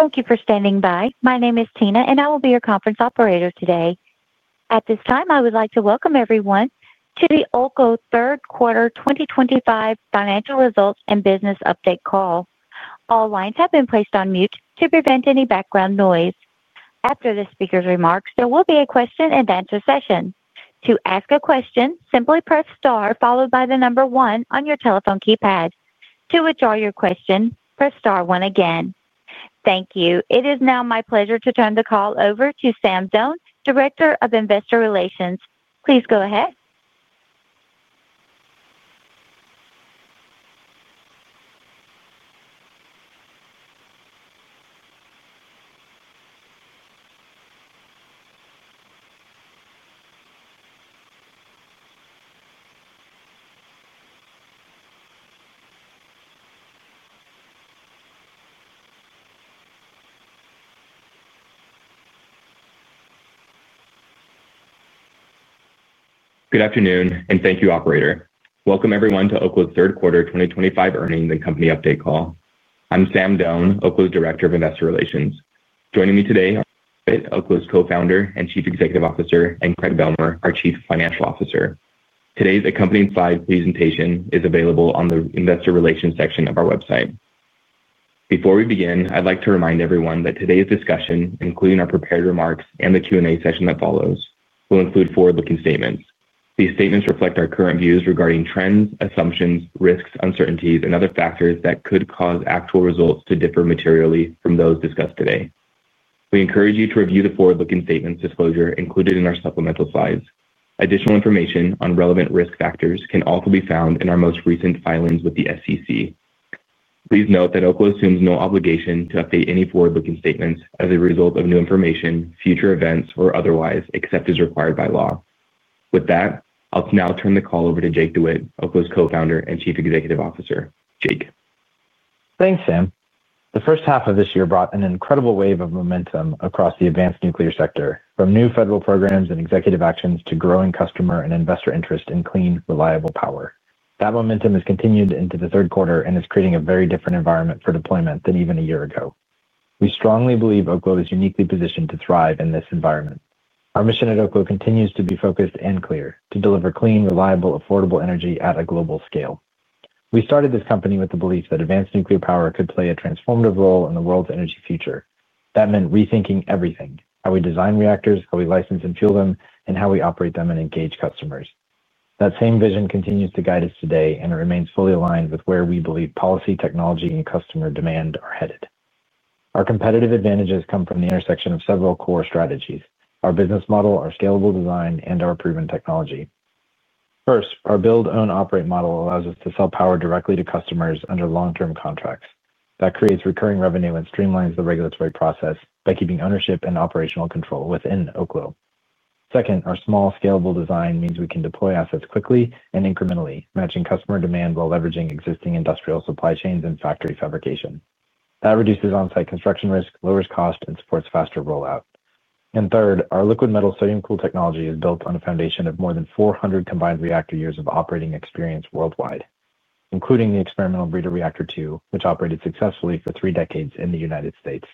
Thank you for standing by. My name is Tina, and I will be your conference operator today. At this time, I would like to welcome everyone to the Oklo third quarter 2025 financial results and business update call. All lines have been placed on mute to prevent any background noise. After the speaker's remarks, there will be a question-and-answer session. To ask a question, simply press star followed by the number one on your telephone keypad. To withdraw your question, press star one again. Thank you. It is now my pleasure to turn the call over to Sam Doane, Director of Investor Relations. Please go ahead. Good afternoon, and thank you, Operator. Welcome everyone to Oklo's third quarter 2025 earnings and company update call. I'm Sam Doane, Oklo's Director of Investor Relations. Joining me today are Oklo's Co-Founder and Chief Executive Officer, and Craig Bealmear, our Chief Financial Officer. Today's accompanying slide presentation is available on the investor relations section of our website. Before we begin, I'd like to remind everyone that today's discussion, including our prepared remarks and the Q&A session that follows, will include forward-looking statements. These statements reflect our current views regarding trends, assumptions, risks, uncertainties, and other factors that could cause actual results to differ materially from those discussed today. We encourage you to review the forward-looking statements disclosure included in our supplemental slides. Additional information on relevant risk factors can also be found in our most recent filings with the SEC. Please note that Oklo assumes no obligation to update any forward-looking statements as a result of new information, future events, or otherwise, except as required by law. With that, I'll now turn the call over to Jake DeWitte, Oklo's Co-Founder and Chief Executive Officer. Jake. Thanks, Sam. The first half of this year brought an incredible wave of momentum across the advanced nuclear sector, from new federal programs and executive actions to growing customer and investor interest in clean, reliable power. That momentum has continued into the third quarter and is creating a very different environment for deployment than even a year ago. We strongly believe Oklo is uniquely positioned to thrive in this environment. Our mission at Oklo continues to be focused and clear: to deliver clean, reliable, affordable energy at a global scale. We started this company with the belief that advanced nuclear power could play a transformative role in the world's energy future. That meant rethinking everything: how we design reactors, how we license and fuel them, and how we operate them and engage customers. That same vision continues to guide us today, and it remains fully aligned with where we believe policy, technology, and customer demand are headed. Our competitive advantages come from the intersection of several core strategies: our business model, our scalable design, and our proven technology. First, our build, own, operate model allows us to sell power directly to customers under long-term contracts. That creates recurring revenue and streamlines the regulatory process by keeping ownership and operational control within Oklo. Second, our small, scalable design means we can deploy assets quickly and incrementally, matching customer demand while leveraging existing industrial supply chains and factory fabrication. That reduces on-site construction risk, lowers cost, and supports faster rollout. Third, our liquid metal sodium-cooled technology is built on a foundation of more than 400 combined reactor years of operating experience worldwide, including the Experimental Breeder Reactor-II, which operated successfully for three decades in the United States.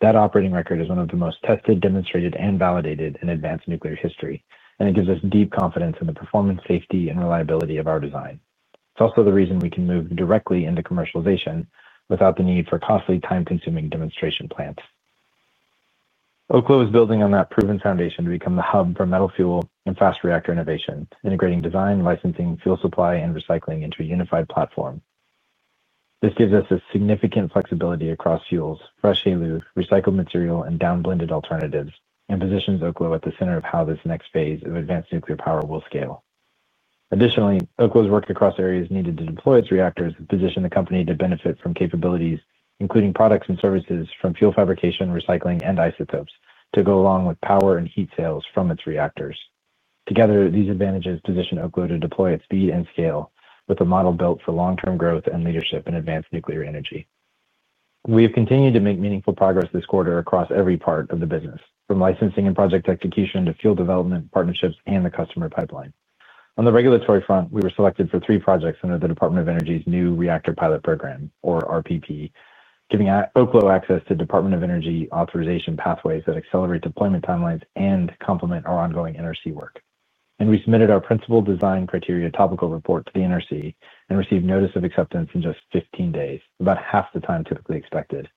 That operating record is one of the most tested, demonstrated, and validated in advanced nuclear history, and it gives us deep confidence in the performance, safety, and reliability of our design. It is also the reason we can move directly into commercialization without the need for costly, time-consuming demonstration plants. Oklo is building on that proven foundation to become the hub for metal fuel and fast reactor innovation, integrating design, licensing, fuel supply, and recycling into a unified platform. This gives us significant flexibility across fuels, fresh HALEU, recycled material, and down-blended alternatives, and positions Oklo at the center of how this next phase of advanced nuclear power will scale. Additionally, Oklo has worked across areas needed to deploy its reactors and position the company to benefit from capabilities, including products and services from fuel fabrication, recycling, and isotopes, to go along with power and heat sales from its reactors. Together, these advantages position Oklo to deploy at speed and scale, with a model built for long-term growth and leadership in advanced nuclear energy. We have continued to make meaningful progress this quarter across every part of the business, from licensing and project execution to fuel development, partnerships, and the customer pipeline. On the regulatory front, we were selected for three projects under the Department of Energy's new Reactor Pilot Program, or RPP, giving Oklo access to Department of Energy authorization pathways that accelerate deployment timelines and complement our ongoing NRC work. We submitted our Principal Design Criteria topical report to the NRC and received notice of acceptance in just 15 days, about half the time typically expected.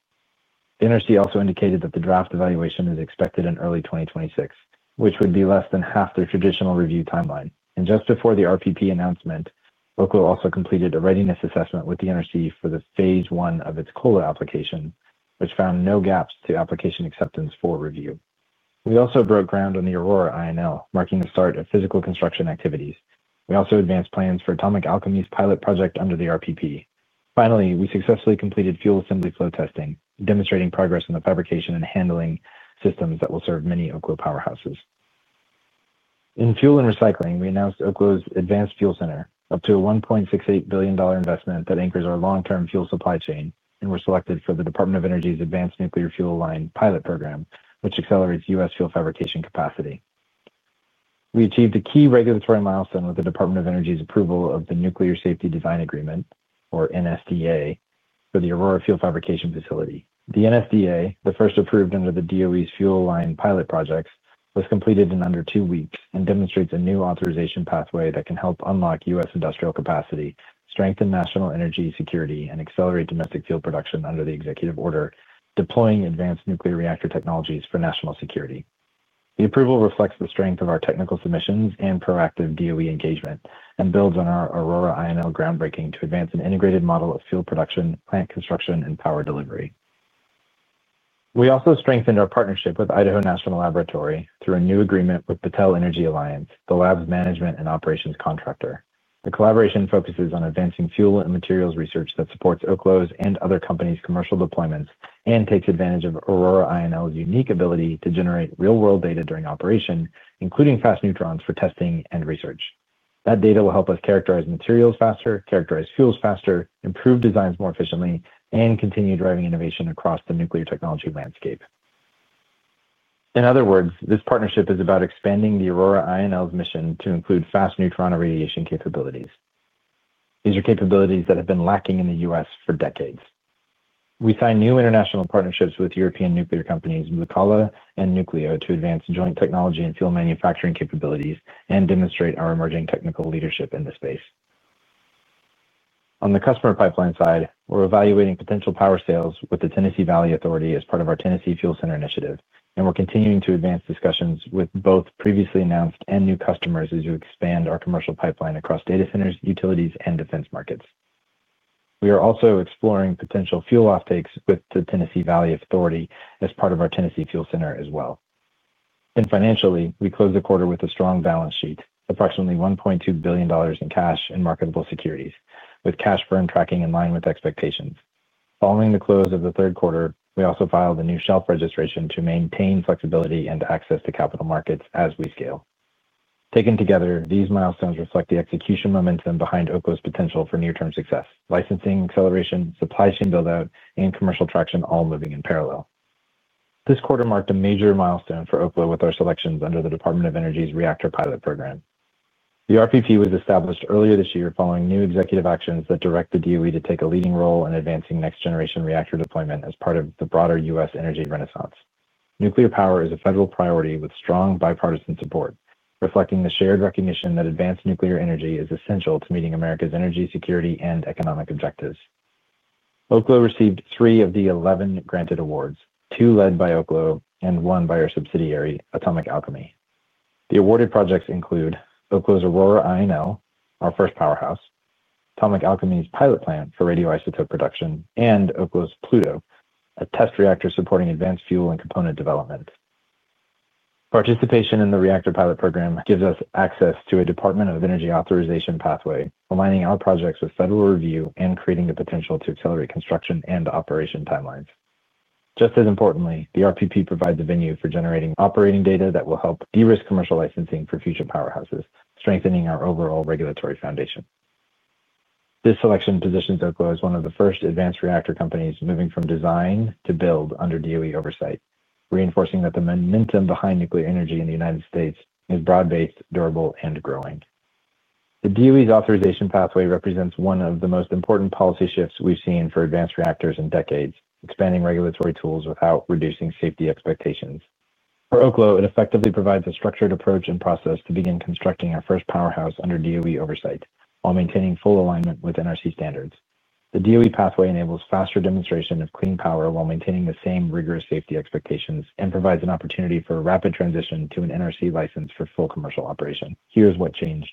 The NRC also indicated that the draft evaluation is expected in early 2026, which would be less than half the traditional review timeline. Just before the RPP announcement, Oklo also completed a readiness assessment with the NRC for phase one of its COLA application, which found no gaps to application acceptance for review. We also broke ground on the Aurora INL, marking the start of physical construction activities. We also advanced plans for Atomic Alchemy's pilot project under the RPP. Finally, we successfully completed fuel assembly flow testing, demonstrating progress in the fabrication and handling systems that will serve many Oklo powerhouses. In fuel and recycling, we announced Oklo's Advanced Fuel Center, up to a $1.68 billion investment that anchors our long-term fuel supply chain, and were selected for the Department of Energy's Advanced Nuclear Fuel Line Pilot Program, which accelerates U.S. fuel fabrication capacity. We achieved a key regulatory milestone with the Department of Energy's approval of the Nuclear Safety Design Agreement, or NSDA, for the Aurora Fuel Fabrication Facility. The NSDA, the first approved under the DOE's Fuel Line Pilot Program, was completed in under two weeks and demonstrates a new authorization pathway that can help unlock U.S. industrial capacity, strengthen national energy security, and accelerate domestic fuel production under the executive order deploying advanced nuclear reactor technologies for national security. The approval reflects the strength of our technical submissions and proactive DOE engagement and builds on our Aurora INL groundbreaking to advance an integrated model of fuel production, plant construction, and power delivery. We also strengthened our partnership with Idaho National Laboratory through a new agreement with Battelle Energy Alliance, the lab's management and operations contractor. The collaboration focuses on advancing fuel and materials research that supports Oklo's and other companies' commercial deployments and takes advantage of Aurora INL's unique ability to generate real-world data during operation, including fast neutrons for testing and research. That data will help us characterize materials faster, characterize fuels faster, improve designs more efficiently, and continue driving innovation across the nuclear technology landscape. In other words, this partnership is about expanding the Aurora INL's mission to include fast neutron irradiation capabilities. These are capabilities that have been lacking in the U.S. for decades. We signed new international partnerships with European nuclear companies Moltex and Nucleo to advance joint technology and fuel manufacturing capabilities and demonstrate our emerging technical leadership in this space. On the customer pipeline side, we're evaluating potential power sales with the Tennessee Valley Authority as part of our Tennessee Fuel Center initiative, and we're continuing to advance discussions with both previously announced and new customers as we expand our commercial pipeline across data centers, utilities, and defense markets. We are also exploring potential fuel offtakes with the Tennessee Valley Authority as part of our Tennessee Fuel Center as well. Financially, we closed the quarter with a strong balance sheet, approximately $1.2 billion in cash and marketable securities, with cash burn tracking in line with expectations. Following the close of the third quarter, we also filed a new shelf registration to maintain flexibility and access to capital markets as we scale. Taken together, these milestones reflect the execution momentum behind Oklo's potential for near-term success: licensing, acceleration, supply chain build-out, and commercial traction all moving in parallel. This quarter marked a major milestone for Oklo with our selections under the Department of Energy's Reactor Pilot Program. The RPP was established earlier this year following new executive actions that direct the DOE to take a leading role in advancing next-generation reactor deployment as part of the broader U.S. energy renaissance. Nuclear power is a federal priority with strong bipartisan support, reflecting the shared recognition that advanced nuclear energy is essential to meeting America's energy security and economic objectives. Oklo received three of the 11 granted awards: two led by Oklo and one by our subsidiary, Atomic Alchemy. The awarded projects include Oklo's Aurora INL, our first powerhouse, Atomic Alchemy's pilot plant for radioisotope production, and Oklo's Pluto, a test reactor supporting advanced fuel and component development. Participation in the Reactor Pilot Program gives us access to a Department of Energy authorization pathway, aligning our projects with federal review and creating the potential to accelerate construction and operation timelines. Just as importantly, the RPP provides a venue for generating operating data that will help de-risk commercial licensing for future powerhouses, strengthening our overall regulatory foundation. This selection positions Oklo as one of the first advanced reactor companies moving from design to build under DOE oversight, reinforcing that the momentum behind nuclear energy in the United States is broad-based, durable, and growing. The DOE's authorization pathway represents one of the most important policy shifts we've seen for advanced reactors in decades, expanding regulatory tools without reducing safety expectations. For Oklo, it effectively provides a structured approach and process to begin constructing our first powerhouse under DOE oversight while maintaining full alignment with NRC standards. The DOE pathway enables faster demonstration of clean power while maintaining the same rigorous safety expectations and provides an opportunity for a rapid transition to an NRC license for full commercial operation. Here's what changed.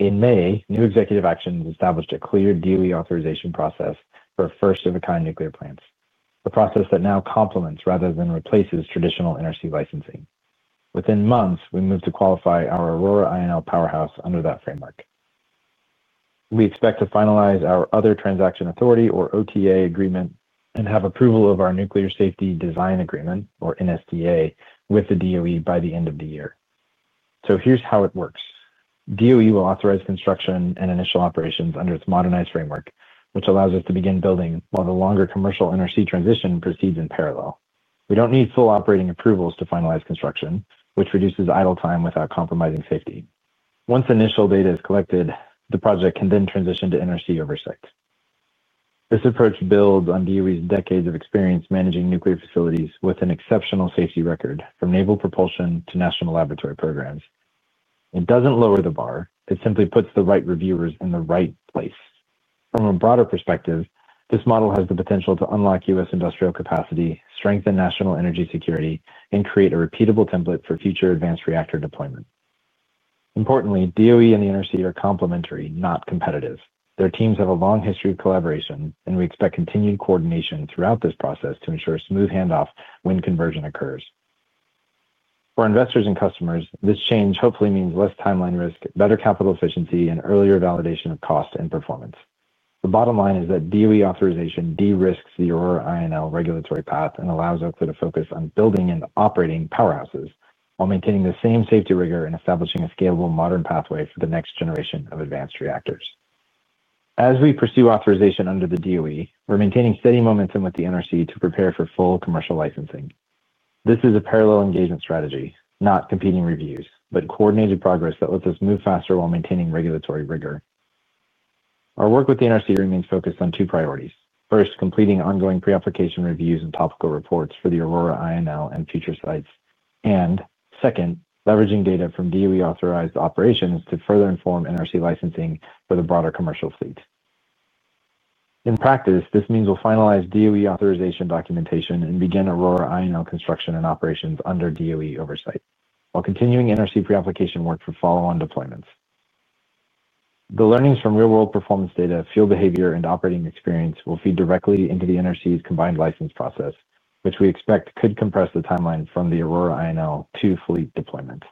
In May, new executive actions established a clear DOE authorization process for first-of-a-kind nuclear plants, a process that now complements rather than replaces traditional NRC licensing. Within months, we moved to qualify our Aurora INL powerhouse under that framework. We expect to finalize our other transaction authority, or OTA, agreement and have approval of our Nuclear Safety Design Agreement, or NSDA, with the DOE by the end of the year. Here's how it works. DOE will authorize construction and initial operations under its modernized framework, which allows us to begin building while the longer commercial NRC transition proceeds in parallel. We don't need full operating approvals to finalize construction, which reduces idle time without compromising safety. Once initial data is collected, the project can then transition to NRC oversight. This approach builds on DOE's decades of experience managing nuclear facilities with an exceptional safety record, from naval propulsion to national laboratory programs. It doesn't lower the bar. It simply puts the right reviewers in the right place. From a broader perspective, this model has the potential to unlock U.S. industrial capacity, strengthen national energy security, and create a repeatable template for future advanced reactor deployment. Importantly, DOE and the NRC are complementary, not competitive. Their teams have a long history of collaboration, and we expect continued coordination throughout this process to ensure smooth handoff when conversion occurs. For investors and customers, this change hopefully means less timeline risk, better capital efficiency, and earlier validation of cost and performance. The bottom line is that DOE authorization de-risks the Aurora INL regulatory path and allows Oklo to focus on building and operating powerhouses while maintaining the same safety rigor and establishing a scalable modern pathway for the next generation of advanced reactors. As we pursue authorization under the DOE, we're maintaining steady momentum with the NRC to prepare for full commercial licensing. This is a parallel engagement strategy, not competing reviews, but coordinated progress that lets us move faster while maintaining regulatory rigor. Our work with the NRC remains focused on two priorities: first, completing ongoing pre-application reviews and topical reports for the Aurora INL and future sites, and second, leveraging data from DOE authorized operations to further inform NRC licensing for the broader commercial fleet. In practice, this means we'll finalize DOE authorization documentation and begin Aurora INL construction and operations under DOE oversight while continuing NRC pre-application work for follow-on deployments. The learnings from real-world performance data, field behavior, and operating experience will feed directly into the NRC's combined license process, which we expect could compress the timeline from the Aurora INL to fleet deployment.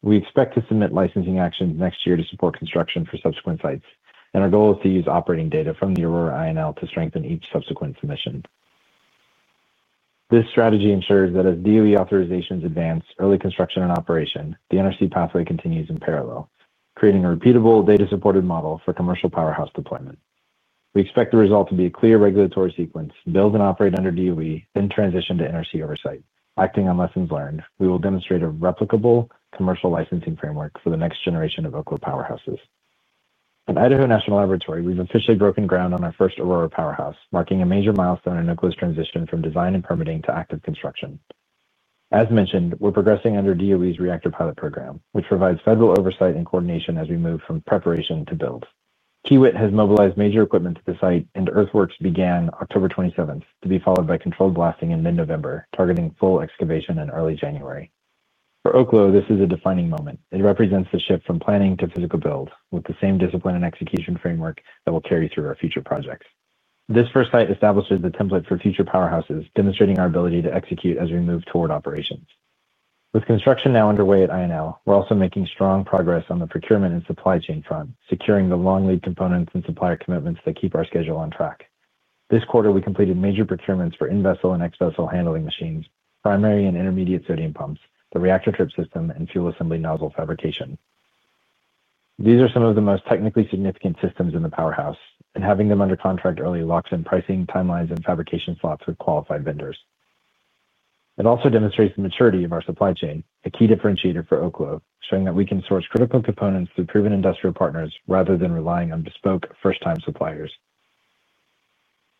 We expect to submit licensing actions next year to support construction for subsequent sites, and our goal is to use operating data from the Aurora INL to strengthen each subsequent submission. This strategy ensures that as DOE authorizations advance, early construction and operation, the NRC pathway continues in parallel, creating a repeatable data-supported model for commercial powerhouse deployment. We expect the result to be a clear regulatory sequence, build and operate under DOE, then transition to NRC oversight. Acting on lessons learned, we will demonstrate a replicable commercial licensing framework for the next generation of Oklo powerhouses. At Idaho National Laboratory, we've officially broken ground on our first Aurora powerhouse, marking a major milestone in Oklo's transition from design and permitting to active construction. As mentioned, we're progressing under DOE's Reactor Pilot Program, which provides federal oversight and coordination as we move from preparation to build. Kiewit has mobilized major equipment to the site, and earthworks began October 27th to be followed by controlled blasting in mid-November, targeting full excavation in early January. For Oklo, this is a defining moment. It represents the shift from planning to physical build, with the same discipline and execution framework that will carry through our future projects. This first site establishes the template for future powerhouses, demonstrating our ability to execute as we move toward operations. With construction now underway at INL, we're also making strong progress on the procurement and supply chain front, securing the long lead components and supplier commitments that keep our schedule on track. This quarter, we completed major procurements for in-vessel and ex-vessel handling machines, primary and intermediate sodium pumps, the reactor trip system, and fuel assembly nozzle fabrication. These are some of the most technically significant systems in the powerhouse, and having them under contract early locks in pricing, timelines, and fabrication slots with qualified vendors. It also demonstrates the maturity of our supply chain, a key differentiator for Oklo, showing that we can source critical components through proven industrial partners rather than relying on bespoke first-time suppliers.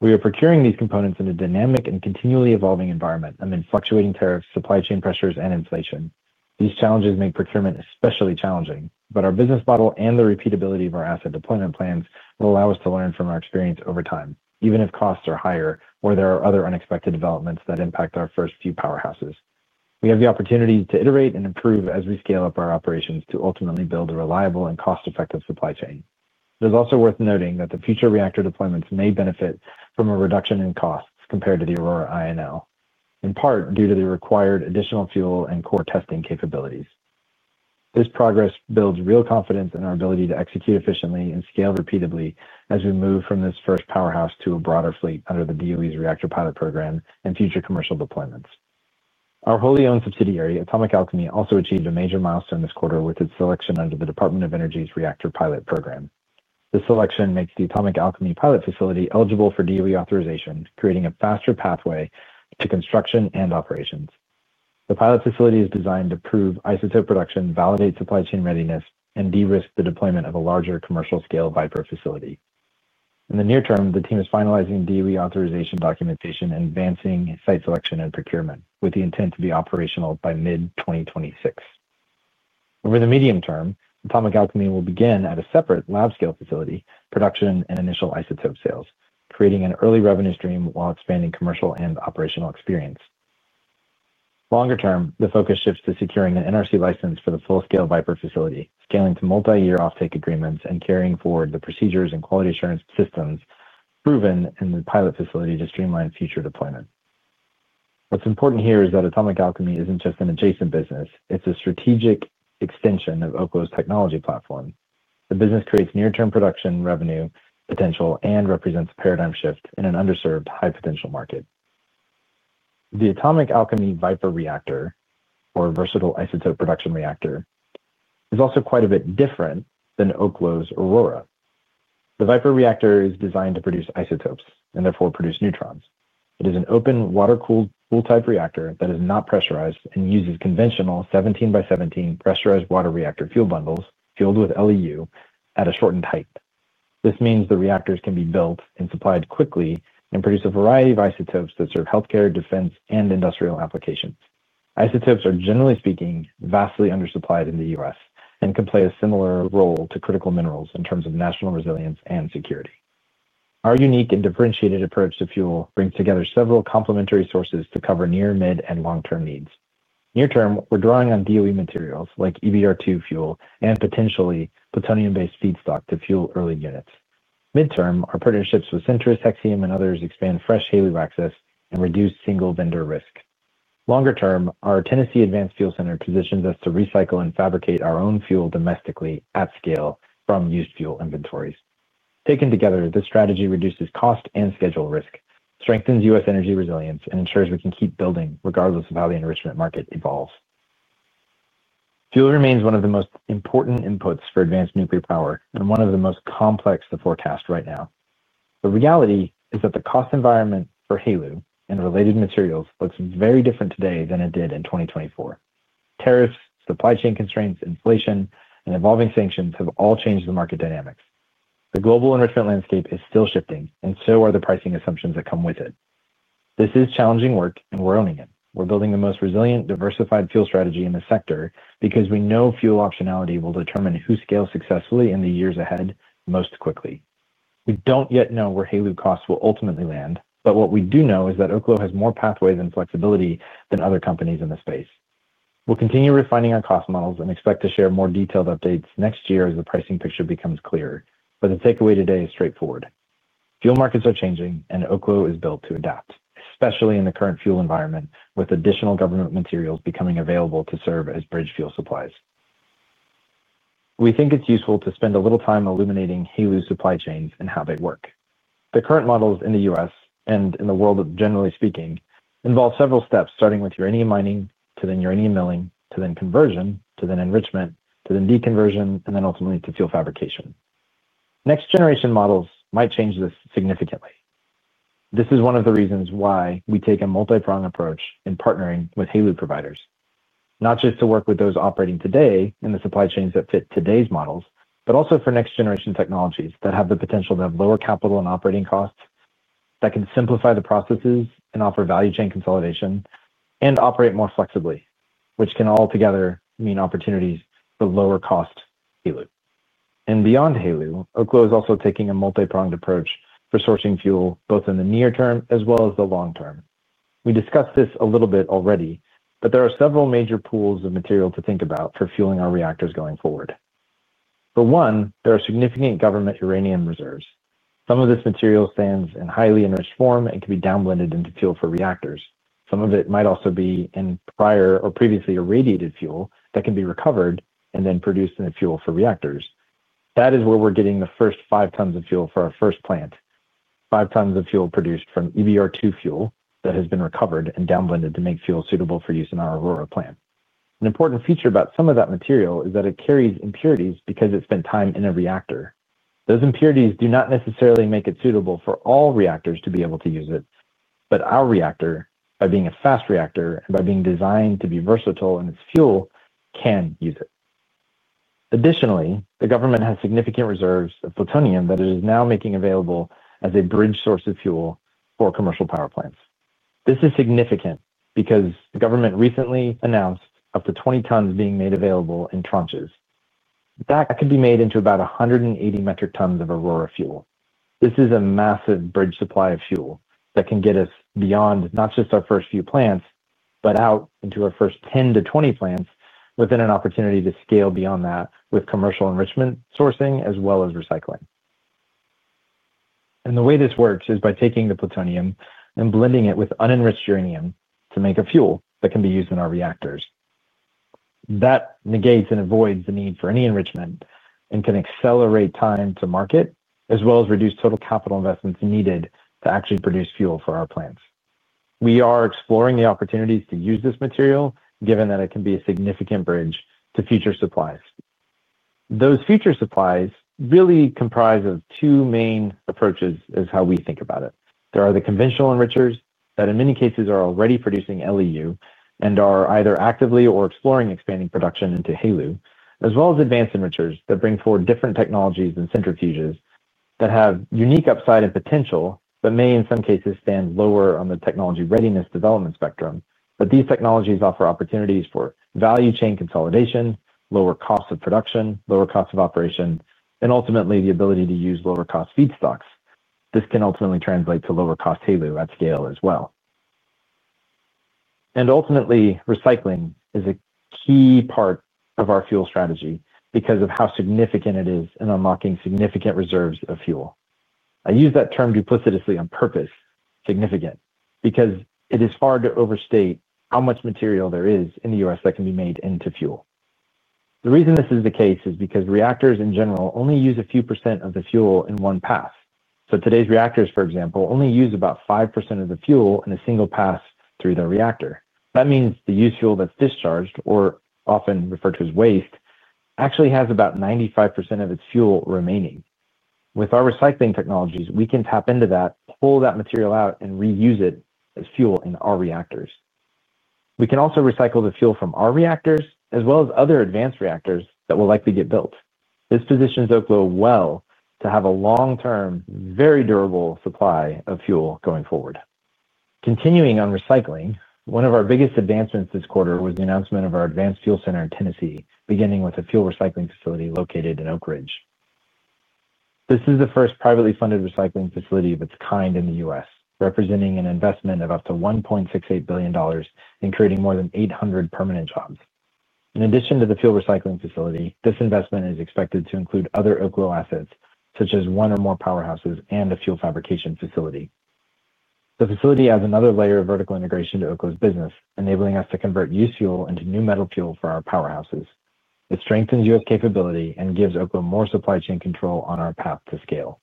We are procuring these components in a dynamic and continually evolving environment amid fluctuating tariffs, supply chain pressures, and inflation. These challenges make procurement especially challenging, but our business model and the repeatability of our asset deployment plans will allow us to learn from our experience over time, even if costs are higher or there are other unexpected developments that impact our first few powerhouses. We have the opportunity to iterate and improve as we scale up our operations to ultimately build a reliable and cost-effective supply chain. It is also worth noting that the future reactor deployments may benefit from a reduction in costs compared to the Aurora INL, in part due to the required additional fuel and core testing capabilities. This progress builds real confidence in our ability to execute efficiently and scale repeatedly as we move from this first powerhouse to a broader fleet under the DOE's Reactor Pilot Program and future commercial deployments. Our wholly owned subsidiary, Atomic Alchemy, also achieved a major milestone this quarter with its selection under the Department of Energy's Reactor Pilot Program. This selection makes the Atomic Alchemy pilot facility eligible for DOE authorization, creating a faster pathway to construction and operations. The pilot facility is designed to prove isotope production, validate supply chain readiness, and de-risk the deployment of a larger commercial-scale Viper facility. In the near-term, the team is finalizing DOE authorization documentation and advancing site selection and procurement with the intent to be operational by mid-2026. Over the medium term, Atomic Alchemy will begin at a separate lab-scale facility, production and initial isotope sales, creating an early revenue stream while expanding commercial and operational experience. Longer term, the focus shifts to securing an NRC license for the full-scale Viper facility, scaling to multi-year offtake agreements and carrying forward the procedures and quality assurance systems proven in the pilot facility to streamline future deployment. What's important here is that Atomic Alchemy isn't just an adjacent business. It's a strategic extension of Oklo's technology platform. The business creates near-term production revenue potential and represents a paradigm shift in an underserved high-potential market. The Atomic Alchemy Viper reactor, or versatile isotope production reactor, is also quite a bit different than Oklo's Aurora. The Viper reactor is designed to produce isotopes and therefore produce neutrons. It is an open water-cooled pool-type reactor that is not pressurized and uses conventional 17x17 pressurized water reactor fuel bundles fueled with LEU at a shortened height. This means the reactors can be built and supplied quickly and produce a variety of isotopes that serve healthcare, defense, and industrial applications. Isotopes are, generally speaking, vastly undersupplied in the U.S. and can play a similar role to critical minerals in terms of national resilience and security. Our unique and differentiated approach to fuel brings together several complementary sources to cover near, mid, and long-term needs. Near-term, we're drawing on DOE materials like EBR-II fuel and potentially plutonium-based feedstock to fuel early units. Mid term, our partnerships with Centrus, Hexium, and others expand fresh HALEU access and reduce single vendor risk. Longer term, our Tennessee Advanced Fuel Center positions us to recycle and fabricate our own fuel domestically at scale from used fuel inventories. Taken together, this strategy reduces cost and schedule risk, strengthens U.S. energy resilience, and ensures we can keep building regardless of how the enrichment market evolves. Fuel remains one of the most important inputs for advanced nuclear power and one of the most complex to forecast right now. The reality is that the cost environment for HALEU and related materials looks very different today than it did in 2024. Tariffs, supply chain constraints, inflation, and evolving sanctions have all changed the market dynamics. The global enrichment landscape is still shifting, and so are the pricing assumptions that come with it. This is challenging work, and we're owning it. We're building the most resilient, diversified fuel strategy in the sector because we know fuel optionality will determine who scales successfully in the years ahead most quickly. We don't yet know where HALEU costs will ultimately land, but what we do know is that Oklo has more pathways and flexibility than other companies in the space. We'll continue refining our cost models and expect to share more detailed updates next year as the pricing picture becomes clearer. The takeaway today is straightforward. Fuel markets are changing, and Oklo is built to adapt, especially in the current fuel environment with additional government materials becoming available to serve as bridge fuel supplies. We think it's useful to spend a little time illuminating HALEU supply chains and how they work. The current models in the U.S. and in the world, generally speaking, involve several steps, starting with uranium mining, to then uranium milling, to then conversion, to then enrichment, to then de-conversion, and then ultimately to fuel fabrication. Next-generation models might change this significantly. This is one of the reasons why we take a multi-prong approach in partnering with HALEU providers, not just to work with those operating today in the supply chains that fit today's models, but also for next-generation technologies that have the potential to have lower capital and operating costs, that can simplify the processes and offer value chain consolidation, and operate more flexibly, which can altogether mean opportunities for lower-cost HALEU. Beyond HALEU, Oklo is also taking a multi-pronged approach for sourcing fuel both in the near-term as well as the long-term. We discussed this a little bit already, but there are several major pools of material to think about for fueling our reactors going forward. For one, there are significant government uranium reserves. Some of this material stands in highly enriched form and can be downblended into fuel for reactors. Some of it might also be in prior or previously irradiated fuel that can be recovered and then produced into fuel for reactors. That is where we're getting the first 5 tons of fuel for our first plant, 5 tons of fuel produced from EBR-II fuel that has been recovered and downblended to make fuel suitable for use in our Aurora plant. An important feature about some of that material is that it carries impurities because it spent time in a reactor. Those impurities do not necessarily make it suitable for all reactors to be able to use it, but our reactor, by being a fast reactor and by being designed to be versatile in its fuel, can use it. Additionally, the government has significant reserves of plutonium that it is now making available as a bridge source of fuel for commercial power plants. This is significant because the government recently announced up to 20 tons being made available in tranches. That could be made into about 180 metric tons of Aurora fuel. This is a massive bridge supply of fuel that can get us beyond not just our first few plants, but out into our first 10-20 plants within an opportunity to scale beyond that with commercial enrichment sourcing as well as recycling. The way this works is by taking the plutonium and blending it with unenriched uranium to make a fuel that can be used in our reactors. That negates and avoids the need for any enrichment and can accelerate time to market as well as reduce total capital investments needed to actually produce fuel for our plants. We are exploring the opportunities to use this material, given that it can be a significant bridge to future supplies. Those future supplies really comprise two main approaches as how we think about it. There are the conventional enrichers that, in many cases, are already producing LEU and are either actively or exploring expanding production into HALEU, as well as advanced enrichers that bring forward different technologies and centrifuges that have unique upside and potential, but may, in some cases, stand lower on the technology readiness development spectrum. These technologies offer opportunities for value chain consolidation, lower costs of production, lower costs of operation, and ultimately the ability to use lower-cost feedstocks. This can ultimately translate to lower-cost HALEU at scale as well. Ultimately, recycling is a key part of our fuel strategy because of how significant it is in unlocking significant reserves of fuel. I use that term duplicitously on purpose, significant, because it is hard to overstate how much material there is in the U.S. that can be made into fuel. The reason this is the case is because reactors, in general, only use a few percent of the fuel in one pass. Today's reactors, for example, only use about 5% of the fuel in a single pass through their reactor. That means the used fuel that is discharged, or often referred to as waste, actually has about 95% of its fuel remaining. With our recycling technologies, we can tap into that, pull that material out, and reuse it as fuel in our reactors. We can also recycle the fuel from our reactors as well as other advanced reactors that will likely get built. This positions Oklo well to have a long-term, very durable supply of fuel going forward. Continuing on recycling, one of our biggest advancements this quarter was the announcement of our Advanced Fuel Center in Tennessee, beginning with a fuel recycling facility located in Oak Ridge. This is the first privately funded recycling facility of its kind in the U.S., representing an investment of up to $1.68 billion and creating more than 800 permanent jobs. In addition to the fuel recycling facility, this investment is expected to include other Oklo assets, such as one or more powerhouses and a fuel fabrication facility. The facility adds another layer of vertical integration to Oklo's business, enabling us to convert used fuel into new metal fuel for our powerhouses. It strengthens U.S. capability and gives Oklo more supply chain control on our path to scale.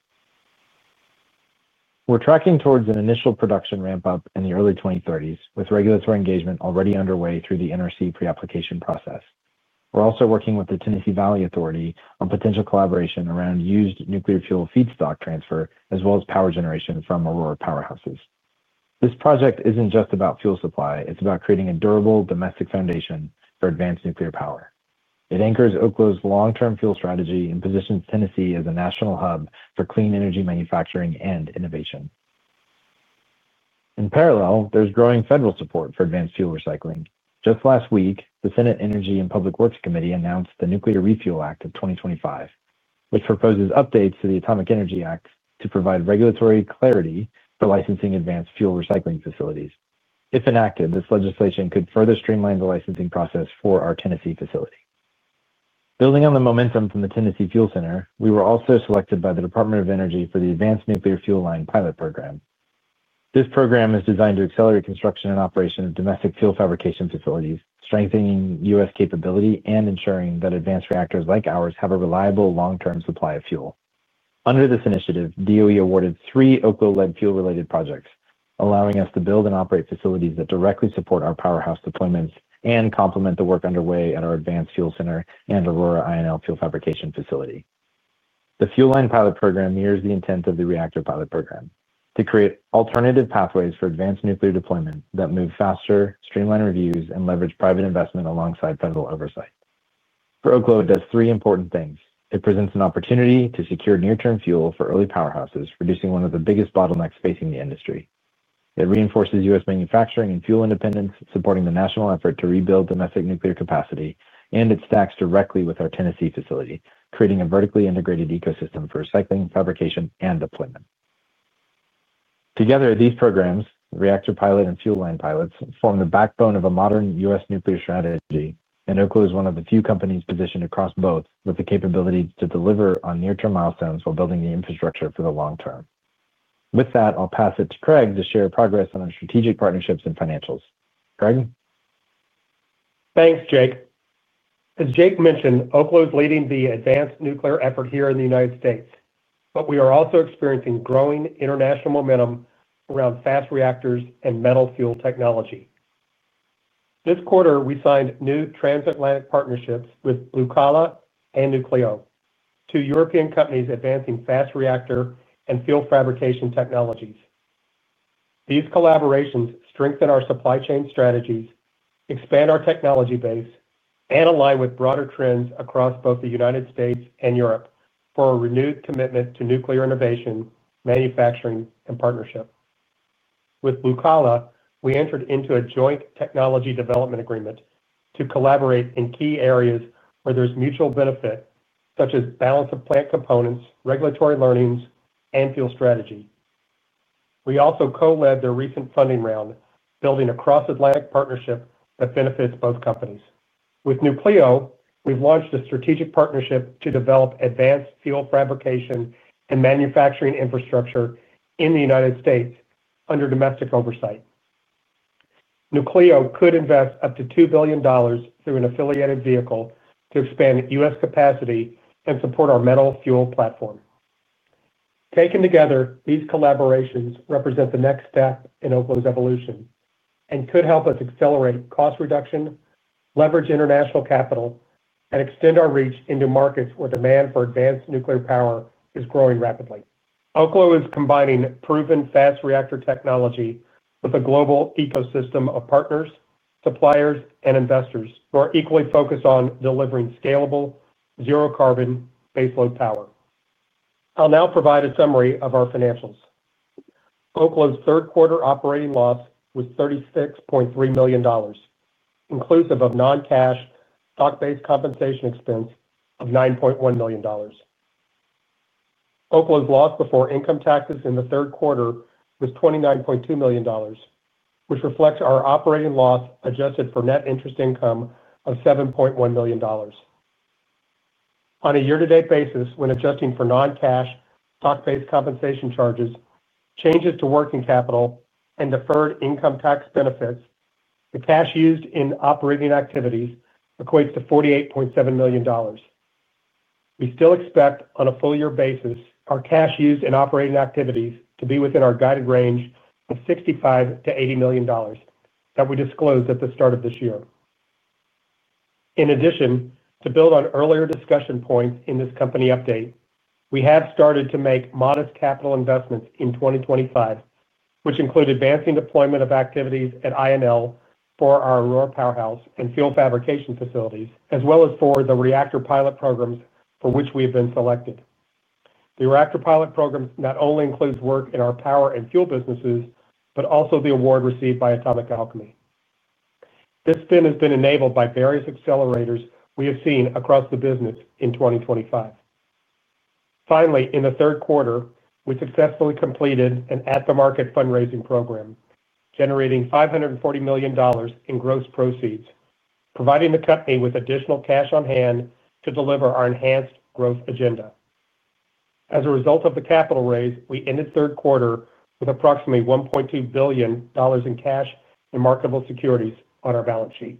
We're tracking towards an initial production ramp-up in the early 2030s, with regulatory engagement already underway through the NRC pre-application process. We're also working with the Tennessee Valley Authority on potential collaboration around used nuclear fuel feedstock transfer as well as power generation from Aurora powerhouses. This project isn't just about fuel supply. It's about creating a durable domestic foundation for advanced nuclear power. It anchors Oklo's long-term fuel strategy and positions Tennessee as a national hub for clean energy manufacturing and innovation. In parallel, there's growing federal support for advanced fuel recycling. Just last week, the Senate Energy and Public Works Committee announced the Nuclear Refuel Act of 2025, which proposes updates to the Atomic Energy Act to provide regulatory clarity for licensing advanced fuel recycling facilities. If enacted, this legislation could further streamline the licensing process for our Tennessee facility. Building on the momentum from the Tennessee Fuel Center, we were also selected by the Department of Energy for the Advanced Nuclear Fuel Line Pilot Program. This program is designed to accelerate construction and operation of domestic fuel fabrication facilities, strengthening U.S. capability and ensuring that advanced reactors like ours have a reliable long-term supply of fuel. Under this initiative, DOE awarded three Oklo-led fuel-related projects, allowing us to build and operate facilities that directly support our powerhouse deployments and complement the work underway at our Advanced Fuel Center and Aurora INL Fuel Fabrication Facility. The Fuel Line Pilot Program mirrors the intent of the Reactor Pilot Program to create alternative pathways for advanced nuclear deployment that move faster, streamline reviews, and leverage private investment alongside federal oversight. For Oklo, it does three important things. It presents an opportunity to secure near-term fuel for early powerhouses, reducing one of the biggest bottlenecks facing the industry. It reinforces U.S. manufacturing and fuel independence, supporting the national effort to rebuild domestic nuclear capacity, and it stacks directly with our Tennessee facility, creating a vertically integrated ecosystem for recycling, fabrication, and deployment. Together, these programs, Reactor Pilot and Fuel Line Pilots, form the backbone of a modern U.S. nuclear strategy, and Oklo is one of the few companies positioned across both with the capability to deliver on near-term milestones while building the infrastructure for the long-term. With that, I'll pass it to Craig to share progress on our strategic partnerships and financials. Craig? Thanks, Jake. As Jake mentioned, Oklo is leading the advanced nuclear effort here in the U.S., but we are also experiencing growing international momentum around fast reactors and metal fuel technology. This quarter, we signed new transatlantic partnerships with Moltex and Nucleo, two European companies advancing fast reactor and fuel fabrication technologies. These collaborations strengthen our supply chain strategies, expand our technology base, and align with broader trends across both the U.S. and Europe for a renewed commitment to nuclear innovation, manufacturing, and partnership. With Moltex, we entered into a joint technology development agreement to collaborate in key areas where there's mutual benefit, such as balance of plant components, regulatory learnings, and fuel strategy. We also co-led their recent funding round, building a cross-Atlantic partnership that benefits both companies. With Nucleo, we've launched a strategic partnership to develop advanced fuel fabrication and manufacturing infrastructure in the United States under domestic oversight. Nucleo could invest up to $2 billion through an affiliated vehicle to expand U.S. capacity and support our metal fuel platform. Taken together, these collaborations represent the next step in Oklo's evolution and could help us accelerate cost reduction, leverage international capital, and extend our reach into markets where demand for advanced nuclear power is growing rapidly. Oklo is combining proven fast reactor technology with a global ecosystem of partners, suppliers, and investors who are equally focused on delivering scalable, zero-carbon baseload power. I'll now provide a summary of our financials. Oklo's third-quarter operating loss was $36.3 million, inclusive of non-cash stock-based compensation expense of $9.1 million. Oklo's loss before income taxes in the third quarter was $29.2 million, which reflects our operating loss adjusted for net interest income of $7.1 million. On a year-to-date basis, when adjusting for non-cash stock-based compensation charges, changes to working capital, and deferred income tax benefits, the cash used in operating activities equates to $48.7 million. We still expect, on a full-year basis, our cash used in operating activities to be within our guided range of $65 million-$80 million that we disclosed at the start of this year. In addition, to build on earlier discussion points in this company update, we have started to make modest capital investments in 2025, which include advancing deployment of activities at INL for our Aurora powerhouse and fuel fabrication facilities, as well as for the Reactor Pilot programs for which we have been selected. The Reactor Pilot Program not only includes work in our power and fuel businesses, but also the award received by Atomic Alchemy. This spin has been enabled by various accelerators we have seen across the business in 2025. Finally, in the third quarter, we successfully completed an at-the-market fundraising program, generating $540 million in gross proceeds, providing the company with additional cash on hand to deliver our enhanced growth agenda. As a result of the capital raise, we ended third quarter with approximately $1.2 billion in cash and marketable securities on our balance sheet.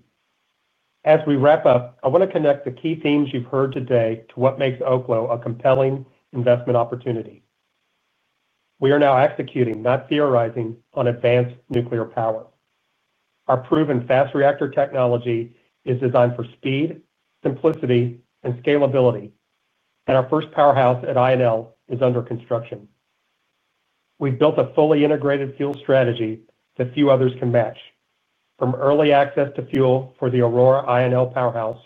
As we wrap up, I want to connect the key themes you've heard today to what makes Oklo a compelling investment opportunity. We are now executing, not theorizing, on advanced nuclear power. Our proven fast reactor technology is designed for speed, simplicity, and scalability, and our first powerhouse at INL is under construction. We've built a fully integrated fuel strategy that few others can match, from early access to fuel for the Aurora INL powerhouse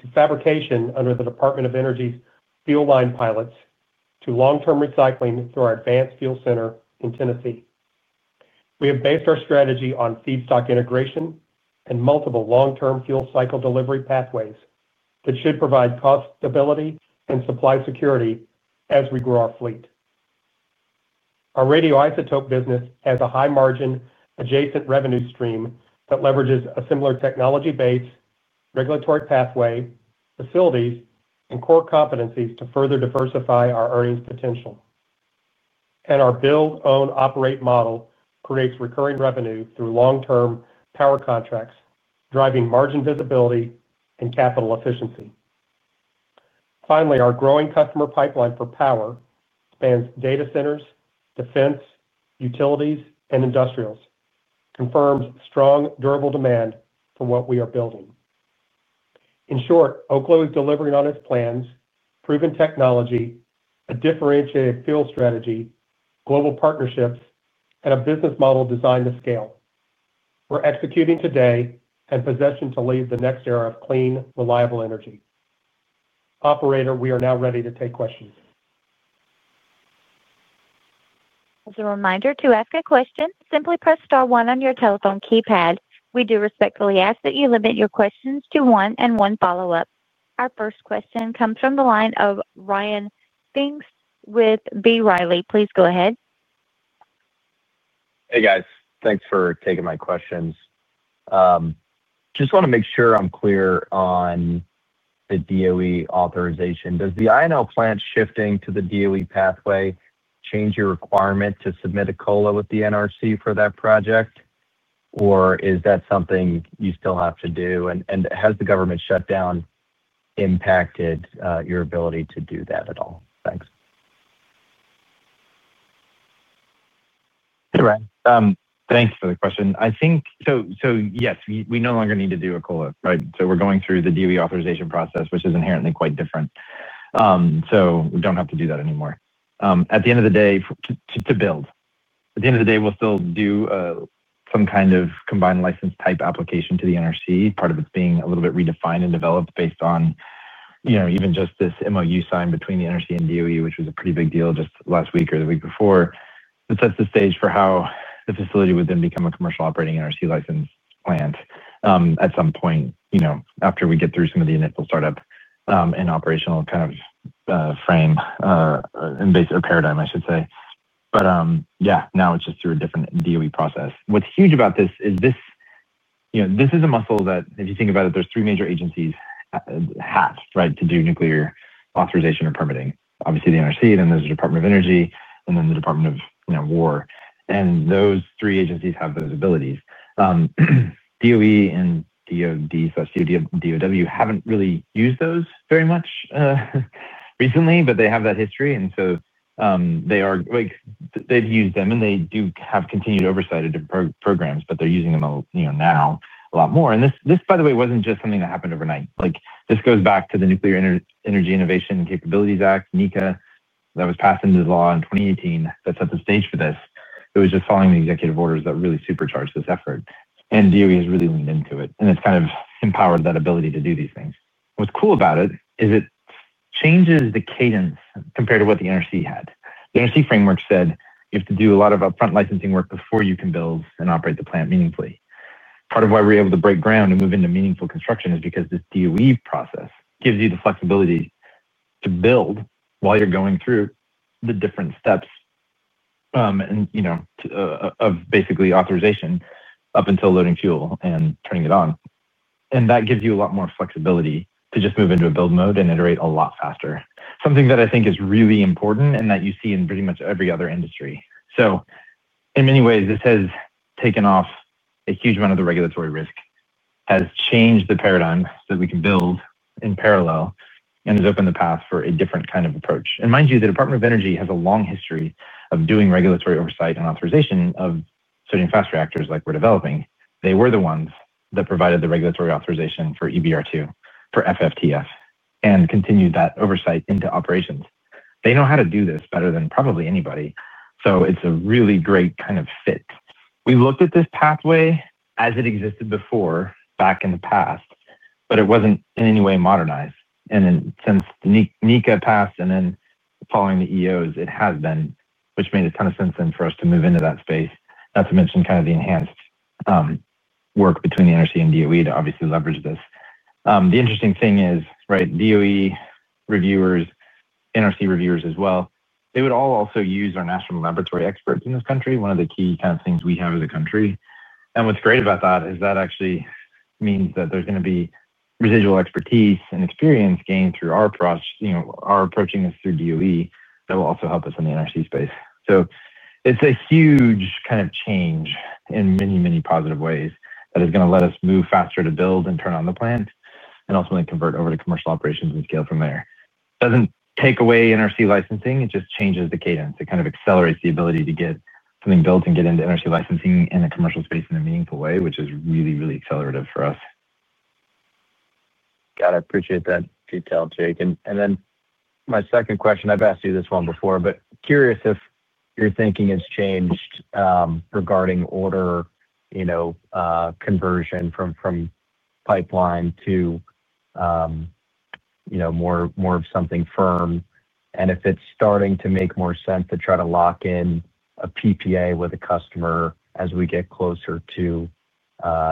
to fabrication under the Department of Energy's Fuel Line Pilots to long-term recycling through our Advanced Fuel Center in Tennessee. We have based our strategy on feedstock integration and multiple long-term fuel cycle delivery pathways that should provide cost stability and supply security as we grow our fleet. Our radioisotope business has a high-margin adjacent revenue stream that leverages a similar technology base, regulatory pathway, facilities, and core competencies to further diversify our earnings potential. Our build-own-operate model creates recurring revenue through long-term power contracts, driving margin visibility and capital efficiency. Finally, our growing customer pipeline for power spans data centers, defense, utilities, and industrials, confirming strong, durable demand for what we are building. In short, Oklo is delivering on its plans, proven technology, a differentiated fuel strategy, global partnerships, and a business model designed to scale. We're executing today and positioned to lead the next era of clean, reliable energy. Operator, we are now ready to take questions. As a reminder to ask a question, simply press star one on your telephone keypad. We do respectfully ask that you limit your questions to one and one follow-up. Our first question comes from the line of Ryan Pfingst with B. Riley. Please go ahead. Hey, guys. Thanks for taking my questions. Just want to make sure I'm clear on the DOE authorization. Does the INL plant shifting to the DOE pathway change your requirement to submit a COLA with the NRC for that project, or is that something you still have to do? Has the government shutdown impacted your ability to do that at all? Thanks. Hey, Ryan. Thanks for the question. I think, yes, we no longer need to do a COLA, right? We are going through the DOE authorization process, which is inherently quite different. We do not have to do that anymore. At the end of the day, to build, at the end of the day, we will still do some kind of combined license type application to the NRC, part of it being a little bit redefined and developed based on even just this MOU signed between the NRC and DOE, which was a pretty big deal just last week or the week before. It sets the stage for how the facility would then become a commercial operating NRC license plant at some point after we get through some of the initial startup and operational kind of frame and paradigm, I should say. Yeah, now it is just through a different DOE process. What's huge about this is this is a muscle that, if you think about it, there are three major agencies that, right, to do nuclear authorization or permitting. Obviously, the NRC, then there is the Department of Energy, and then the Department of War. Those three agencies have those abilities. DOE and DOD/DOW have not really used those very much recently, but they have that history. They have used them, and they do have continued oversight of the programs, but they are using them now a lot more. This, by the way, was not just something that happened overnight. This goes back to the Nuclear Energy Innovation and Capabilities Act, NEICA, that was passed into law in 2018 that set the stage for this. It was just following the executive orders that really supercharged this effort. DOE has really leaned into it, and it has kind of empowered that ability to do these things. What's cool about it is it changes the cadence compared to what the NRC had. The NRC framework said you have to do a lot of upfront licensing work before you can build and operate the plant meaningfully. Part of why we're able to break ground and move into meaningful construction is because this DOE process gives you the flexibility to build while you're going through the different steps of basically authorization up until loading fuel and turning it on. That gives you a lot more flexibility to just move into a build mode and iterate a lot faster. Something that I think is really important and that you see in pretty much every other industry. In many ways, this has taken off a huge amount of the regulatory risk, has changed the paradigm so that we can build in parallel, and has opened the path for a different kind of approach. Mind you, the Department of Energy has a long history of doing regulatory oversight and authorization of certain fast reactors like we're developing. They were the ones that provided the regulatory authorization for EBR-II, for FFTF, and continued that oversight into operations. They know how to do this better than probably anybody. It is a really great kind of fit. We looked at this pathway as it existed before back in the past, but it was not in any way modernized. Since NECA passed and then following the EOs, it has been, which made a ton of sense then for us to move into that space, not to mention kind of the enhanced work between the NRC and DOE to obviously leverage this. The interesting thing is, right, DOE reviewers, NRC reviewers as well, they would all also use our national laboratory experts in this country, one of the key kind of things we have as a country. What is great about that is that actually means that there is going to be residual expertise and experience gained through our approaching this through DOE that will also help us in the NRC space. It is a huge kind of change in many, many positive ways that is going to let us move faster to build and turn on the plant and ultimately convert over to commercial operations and scale from there. It does not take away NRC licensing. It just changes the cadence. It kind of accelerates the ability to get something built and get into NRC licensing in a commercial space in a meaningful way, which is really, really accelerative for us. Got it. Appreciate that detail, Jake. My second question, I have asked you this one before, but curious if your thinking has changed regarding order conversion from pipeline to more of something firm, and if it is starting to make more sense to try to lock in a PPA with a customer as we get closer to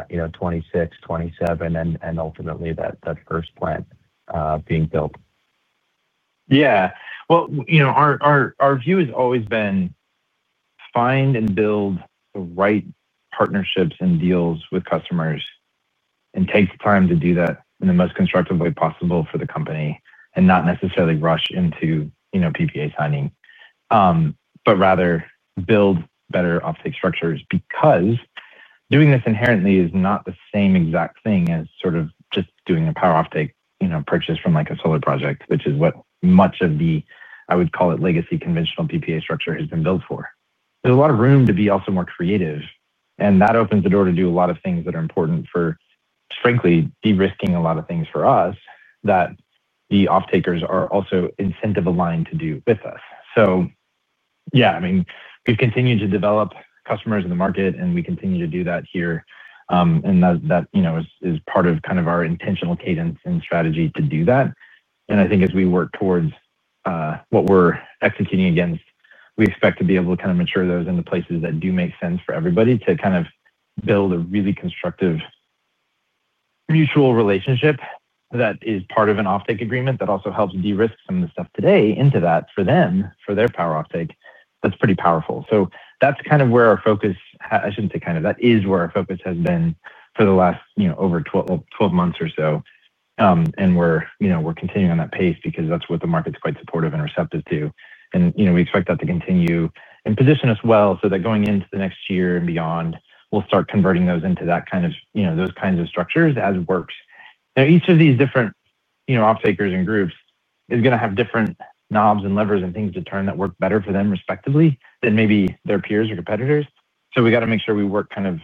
2026, 2027, and ultimately that first plant being built. Yeah. Our view has always been find and build the right partnerships and deals with customers and take the time to do that in the most constructive way possible for the company and not necessarily rush into PPA signing, but rather build better offtake structures because doing this inherently is not the same exact thing as sort of just doing a power offtake purchase from a solar project, which is what much of the, I would call it, legacy conventional PPA structure has been built for. There's a lot of room to be also more creative, and that opens the door to do a lot of things that are important for, frankly, de-risking a lot of things for us that the offtakers are also incentive-aligned to do with us. Yeah, I mean, we've continued to develop customers in the market, and we continue to do that here, and that is part of kind of our intentional cadence and strategy to do that. I think as we work towards what we're executing against, we expect to be able to kind of mature those into places that do make sense for everybody to kind of build a really constructive mutual relationship that is part of an offtake agreement that also helps de-risk some of the stuff today into that for them, for their power offtake. That's pretty powerful. That's kind of where our focus—I shouldn't say kind of—that is where our focus has been for the last over 12 months or so. We're continuing on that pace because that's what the market's quite supportive and receptive to. We expect that to continue and position us well so that going into the next year and beyond, we'll start converting those into that kind of those kinds of structures as it works. Now, each of these different offtakers and groups is going to have different knobs and levers and things to turn that work better for them respectively than maybe their peers or competitors. We got to make sure we work kind of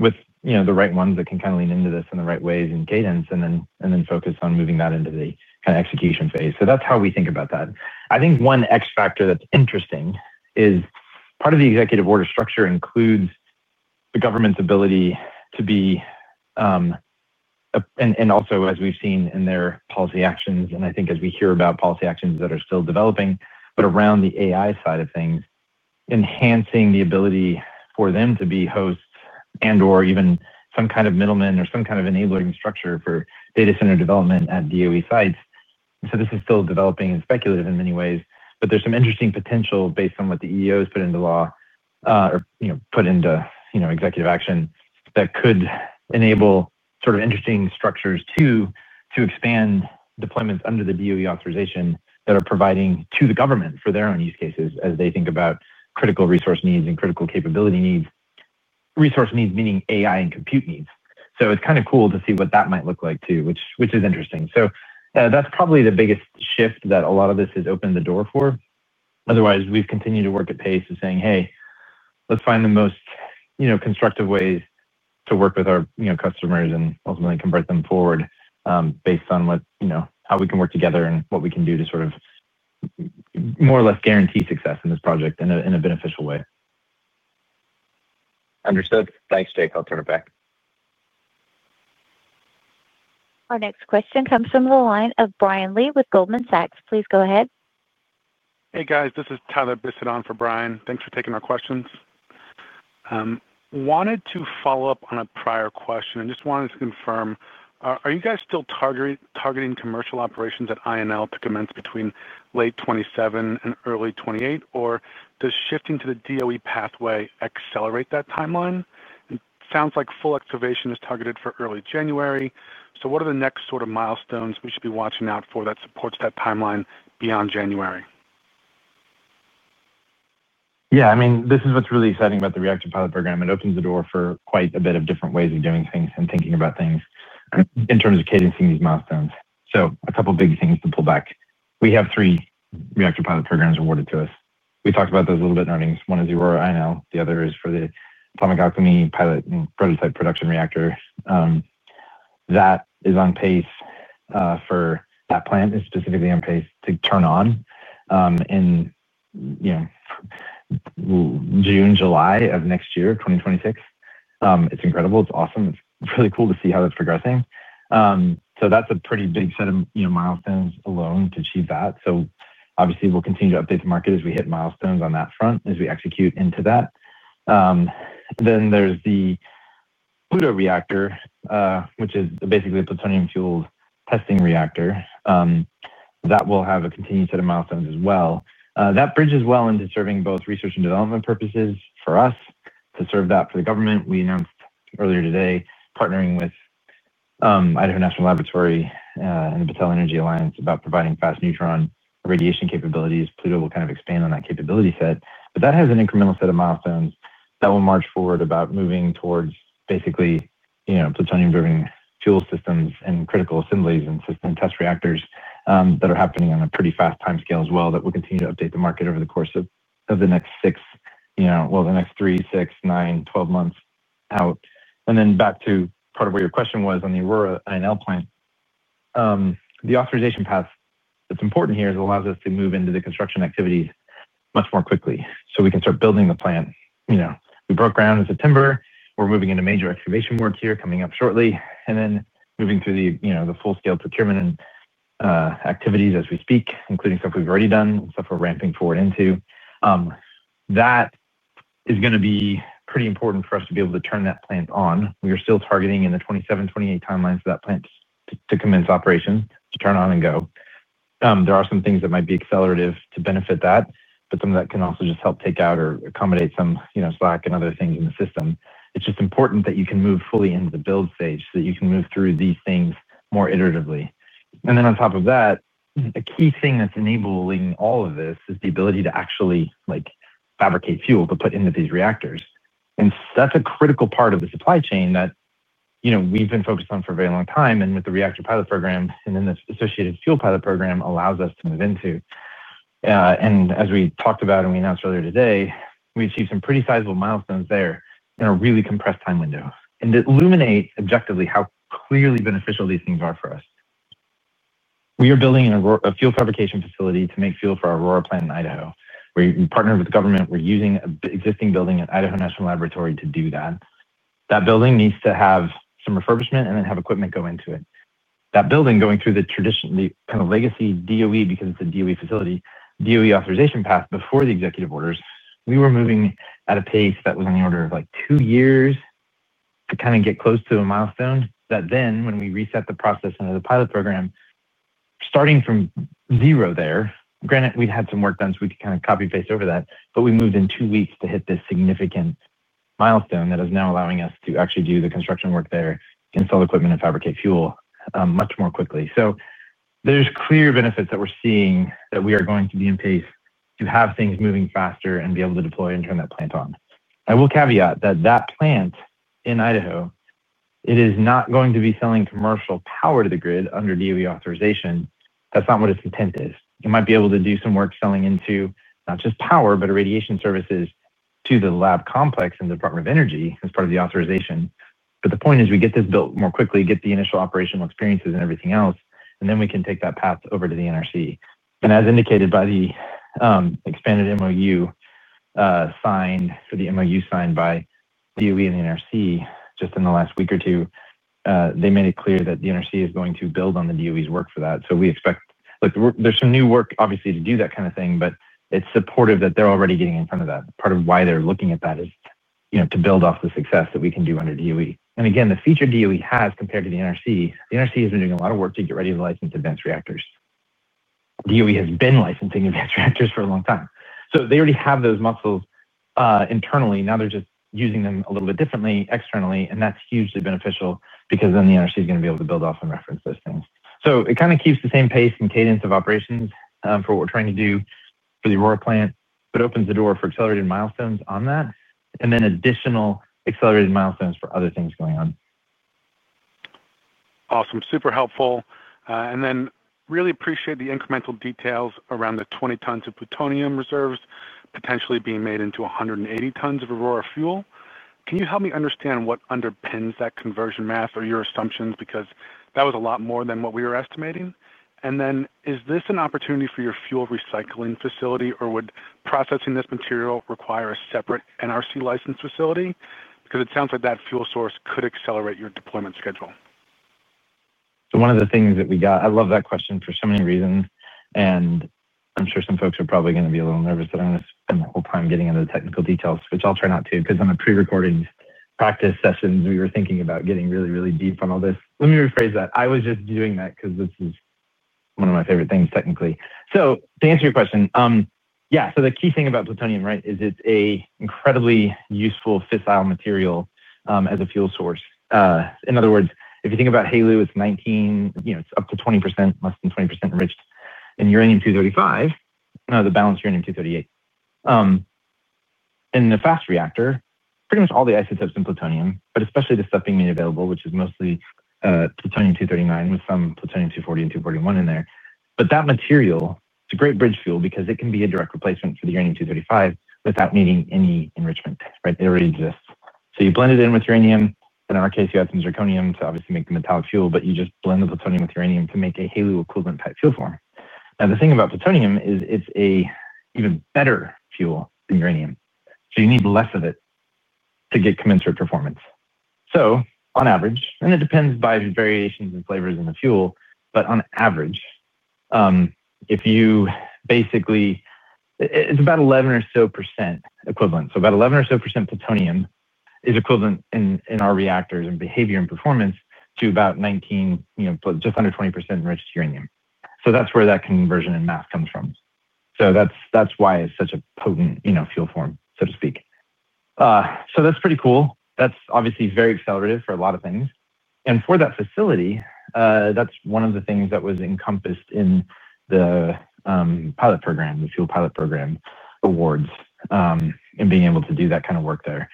with the right ones that can kind of lean into this in the right ways and cadence and then focus on moving that into the kind of execution phase. That's how we think about that. I think one X factor that's interesting is part of the executive order structure includes the government's ability to be—and also, as we've seen in their policy actions, and I think as we hear about policy actions that are still developing, but around the AI side of things, enhancing the ability for them to be hosts and/or even some kind of middleman or some kind of enabling structure for data center development at DOE sites. This is still developing and speculative in many ways, but there's some interesting potential based on what the EO has put into law or put into executive action that could enable sort of interesting structures to expand deployments under the DOE authorization that are providing to the government for their own use cases as they think about critical resource needs and critical capability needs, resource needs meaning AI and compute needs. It is kind of cool to see what that might look like too, which is interesting. That is probably the biggest shift that a lot of this has opened the door for. Otherwise, we have continued to work at pace of saying, "Hey, let's find the most constructive ways to work with our customers and ultimately convert them forward based on how we can work together and what we can do to sort of more or less guarantee success in this project in a beneficial way." Understood. Thanks, Jake. I'll turn it back. Our next question comes from the line of Brian Lee with Goldman Sachs. Please go ahead. Hey, guys. This is Tyler Bisset on for Brian. Thanks for taking our questions. Wanted to follow-up on a prior question and just wanted to confirm, are you guys still targeting commercial operations at INL to commence between late 2027 and early 2028, or does shifting to the DOE pathway accelerate that timeline? It sounds like full activation is targeted for early January. What are the next sort of milestones we should be watching out for that supports that timeline beyond January? Yeah. I mean, this is what's really exciting about the reactor pilot program. It opens the door for quite a bit of different ways of doing things and thinking about things in terms of cadencing these milestones. A couple of big things to pull back. We have three reactor pilot programs awarded to us. We talked about those a little bit in earnings. One is Aurora INL. The other is for the Atomic Alchemy pilot and prototype production reactor. That is on pace for that plant is specifically on pace to turn on in June, July of next year, 2026. It's incredible. It's awesome. It's really cool to see how that's progressing. That is a pretty big set of milestones alone to achieve that. Obviously, we'll continue to update the market as we hit milestones on that front as we execute into that. There is the Pluto reactor, which is basically a plutonium-fueled testing reactor that will have a continued set of milestones as well. That bridges well into serving both research and development purposes for us to serve that for the government. We announced earlier today partnering with Idaho National Laboratory and the Battelle Energy Alliance about providing fast neutron radiation capabilities. Pluto will kind of expand on that capability set. That has an incremental set of milestones that will march forward about moving towards basically plutonium-driven fuel systems and critical assemblies and system test reactors that are happening on a pretty fast timescale as well. That will continue to update the market over the course of the next three, six, nine, twelve months out. Back to part of what your question was on the Aurora INL plant. The authorization path that's important here is it allows us to move into the construction activities much more quickly so we can start building the plant. We broke ground in September. We're moving into major excavation work here coming up shortly and then moving through the full-scale procurement and activities as we speak, including stuff we've already done and stuff we're ramping forward into. That is going to be pretty important for us to be able to turn that plant on. We are still targeting in the 2027, 2028 timeline for that plant to commence operation, to turn on and go. There are some things that might be accelerative to benefit that, but some of that can also just help take out or accommodate some slack and other things in the system. It's just important that you can move fully into the build stage so that you can move through these things more iteratively. On top of that, a key thing that's enabling all of this is the ability to actually fabricate fuel to put into these reactors. That is a critical part of the supply chain that we have been focused on for a very long time, and with the reactor pilot program and then the associated fuel pilot program, it allows us to move into that. As we talked about and we announced earlier today, we achieved some pretty sizable milestones there in a really compressed time window. It illuminates objectively how clearly beneficial these things are for us. We are building a fuel fabrication facility to make fuel for our Aurora plant in Idaho. We partnered with the government. We are using an existing building at Idaho National Laboratory to do that. That building needs to have some refurbishment and then have equipment go into it. That building going through the traditionally kind of legacy DOE, because it's a DOE facility, DOE authorization path before the executive orders, we were moving at a pace that was on the order of like two years to kind of get close to a milestone that then when we reset the process under the pilot program, starting from zero there, granted we'd had some work done so we could kind of copy-paste over that, but we moved in two weeks to hit this significant milestone that is now allowing us to actually do the construction work there, install equipment, and fabricate fuel much more quickly. There are clear benefits that we're seeing that we are going to be in pace to have things moving faster and be able to deploy and turn that plant on. I will caveat that that plant in Idaho, it is not going to be selling commercial power to the grid under DOE authorization. That's not what its intent is. It might be able to do some work selling into not just power, but radiation services to the lab complex and the Department of Energy as part of the authorization. The point is we get this built more quickly, get the initial operational experiences and everything else, and then we can take that path over to the NRC. As indicated by the expanded MOU signed for the MOU signed by DOE and the NRC just in the last week or two, they made it clear that the NRC is going to build on the DOE's work for that. We expect there's some new work obviously to do that kind of thing, but it's supportive that they're already getting in front of that. Part of why they're looking at that is to build off the success that we can do under DOE. Again, the feature DOE has compared to the NRC, the NRC has been doing a lot of work to get ready to license advanced reactors. DOE has been licensing advanced reactors for a long time. They already have those muscles internally. Now they're just using them a little bit differently externally. That's hugely beneficial because then the NRC is going to be able to build off and reference those things. It kind of keeps the same pace and cadence of operations for what we're trying to do for the Aurora plant, but opens the door for accelerated milestones on that and then additional accelerated milestones for other things going on. Awesome. Super helpful. I really appreciate the incremental details around the 20 tons of plutonium reserves potentially being made into 180 tons of Aurora fuel. Can you help me understand what underpins that conversion math or your assumptions? Because that was a lot more than what we were estimating. Is this an opportunity for your fuel recycling facility, or would processing this material require a separate NRC license facility? It sounds like that fuel source could accelerate your deployment schedule. One of the things that we got—I love that question for so many reasons. I'm sure some folks are probably going to be a little nervous that I'm going to spend the whole time getting into the technical details, which I'll try not to because on the pre-recording practice sessions, we were thinking about getting really, really deep on all this. Let me rephrase that. I was just doing that because this is one of my favorite things technically. To answer your question, yeah. The key thing about plutonium, right, is it's an incredibly useful, fissile material as a fuel source. In other words, if you think about HALEU, it's 19%-20%, less than 20% enriched in uranium-235, the balance uranium-238. In the fast reactor, pretty much all the isotopes in plutonium, but especially the stuff being made available, which is mostly plutonium-239 with some plutonium-240 and 241 in there. That material is a great bridge fuel because it can be a direct replacement for the uranium-235 without needing any enrichment, right? It already exists. You blend it in with uranium. In our case, you add some zirconium to obviously make the metallic fuel, but you just blend the plutonium with uranium to make a HALEU-equivalent type fuel form. Now, the thing about plutonium is it's an even better fuel than uranium. You need less of it to get commensurate performance. On average, and it depends by variations and flavors in the fuel, but on average, if you basically—it's about 11 or so percent equivalent. About 11 or so percent plutonium is equivalent in our reactors in behavior and performance to about 19%, just under 20% enriched uranium. That's where that conversion in mass comes from. That is why it is such a potent fuel form, so to speak. That is pretty cool. That is obviously very accelerative for a lot of things. For that facility, that is one of the things that was encompassed in the pilot program, the fuel pilot program awards, and being able to do that kind of work there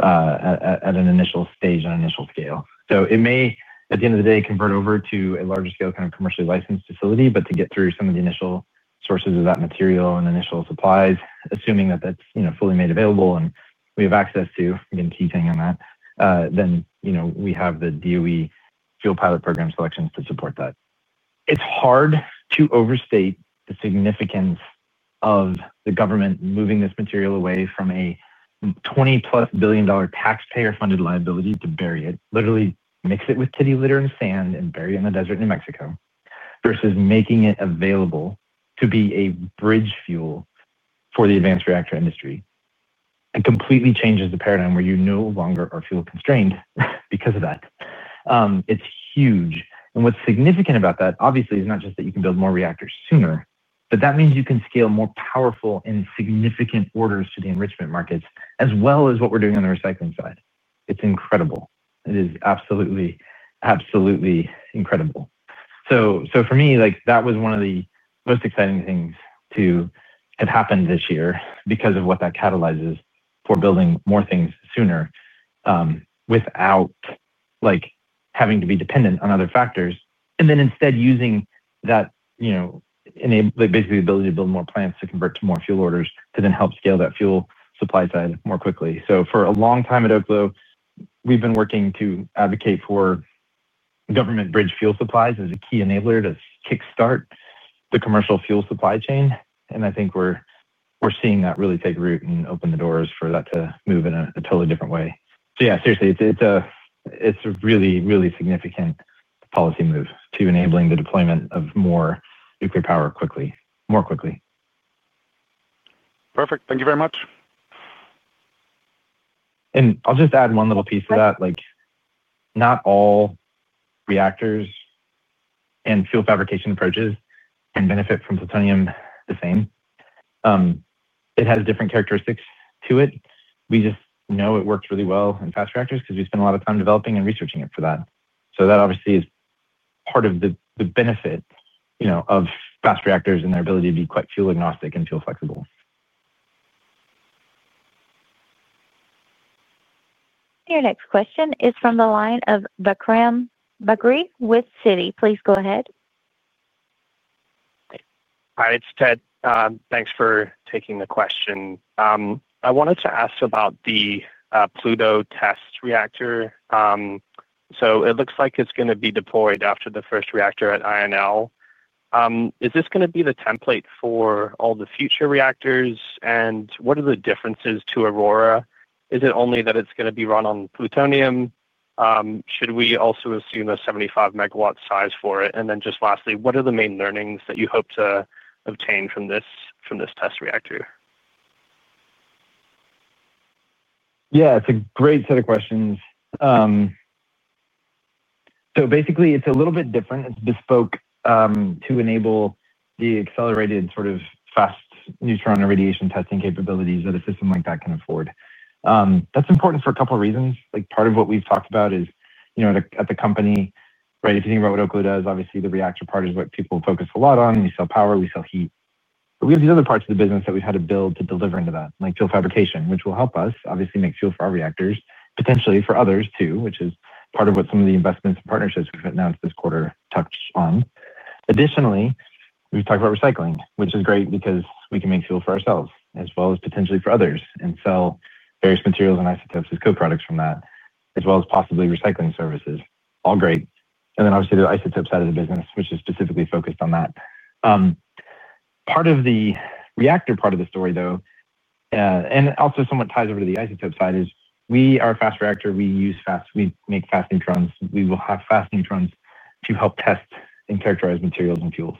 at an initial stage, on initial scale. It may, at the end of the day, convert over to a larger scale, kind of commercially licensed facility, but to get through some of the initial sources of that material and initial supplies, assuming that is fully made available and we have access to—again, key thing on that—then we have the DOE fuel pilot program selections to support that. It's hard to overstate the significance of the government moving this material away from a $20 billion-plus taxpayer-funded liability to bury it, literally mix it with kitty litter and sand and bury it in the desert in New Mexico versus making it available to be a bridge fuel for the advanced reactor industry. It completely changes the paradigm where you no longer are fuel constrained because of that. It's huge. What's significant about that, obviously, is not just that you can build more reactors sooner, but that means you can scale more powerful and significant orders to the enrichment markets as well as what we're doing on the recycling side. It's incredible. It is absolutely, absolutely incredible. For me, that was one of the most exciting things to have happened this year because of what that catalyzes for building more things sooner without having to be dependent on other factors and then instead using that basically ability to build more plants to convert to more fuel orders to then help scale that fuel supply side more quickly. For a long time at Oklo, we've been working to advocate for government bridge fuel supplies as a key enabler to kickstart the commercial fuel supply chain. I think we're seeing that really take root and open the doors for that to move in a totally different way. Yeah, seriously, it's a really, really significant policy move to enabling the deployment of more nuclear power quickly, more quickly. Perfect. Thank you very much. I'll just add one little piece to that. Not all reactors and fuel fabrication approaches can benefit from plutonium the same. It has different characteristics to it. We just know it works really well in fast reactors because we spend a lot of time developing and researching it for that. That obviously is part of the benefit of fast reactors and their ability to be quite fuel-agnostic and fuel-flexible. Your next question is from the line of Becram Baghri with Citi. Please go ahead. Hi, it's Ted. Thanks for taking the question. I wanted to ask about the Pluto test reactor. It looks like it's going to be deployed after the first reactor at INL. Is this going to be the template for all the future reactors? What are the differences to Aurora? Is it only that it's going to be run on plutonium? Should we also assume a 75 MW size for it? And then just lastly, what are the main learnings that you hope to obtain from this test reactor? Yeah, it's a great set of questions. Basically, it's a little bit different. It's bespoke to enable the accelerated sort of fast neutron irradiation testing capabilities that a system like that can afford. That's important for a couple of reasons. Part of what we've talked about is at the company, right? If you think about what Oklo does, obviously the reactor part is what people focus a lot on. We sell power. We sell heat. We have these other parts of the business that we've had to build to deliver into that, like fuel fabrication, which will help us obviously make fuel for our reactors, potentially for others too, which is part of what some of the investments and partnerships we've announced this quarter touch on. Additionally, we've talked about recycling, which is great because we can make fuel for ourselves as well as potentially for others and sell various materials and isotopes as co-products from that, as well as possibly recycling services. All great. Then obviously the isotope side of the business, which is specifically focused on that. Part of the reactor part of the story, though, and also somewhat ties over to the isotope side, is we are a fast reactor. We use fast, we make fast neutrons. We will have fast neutrons to help test and characterize materials and fuels.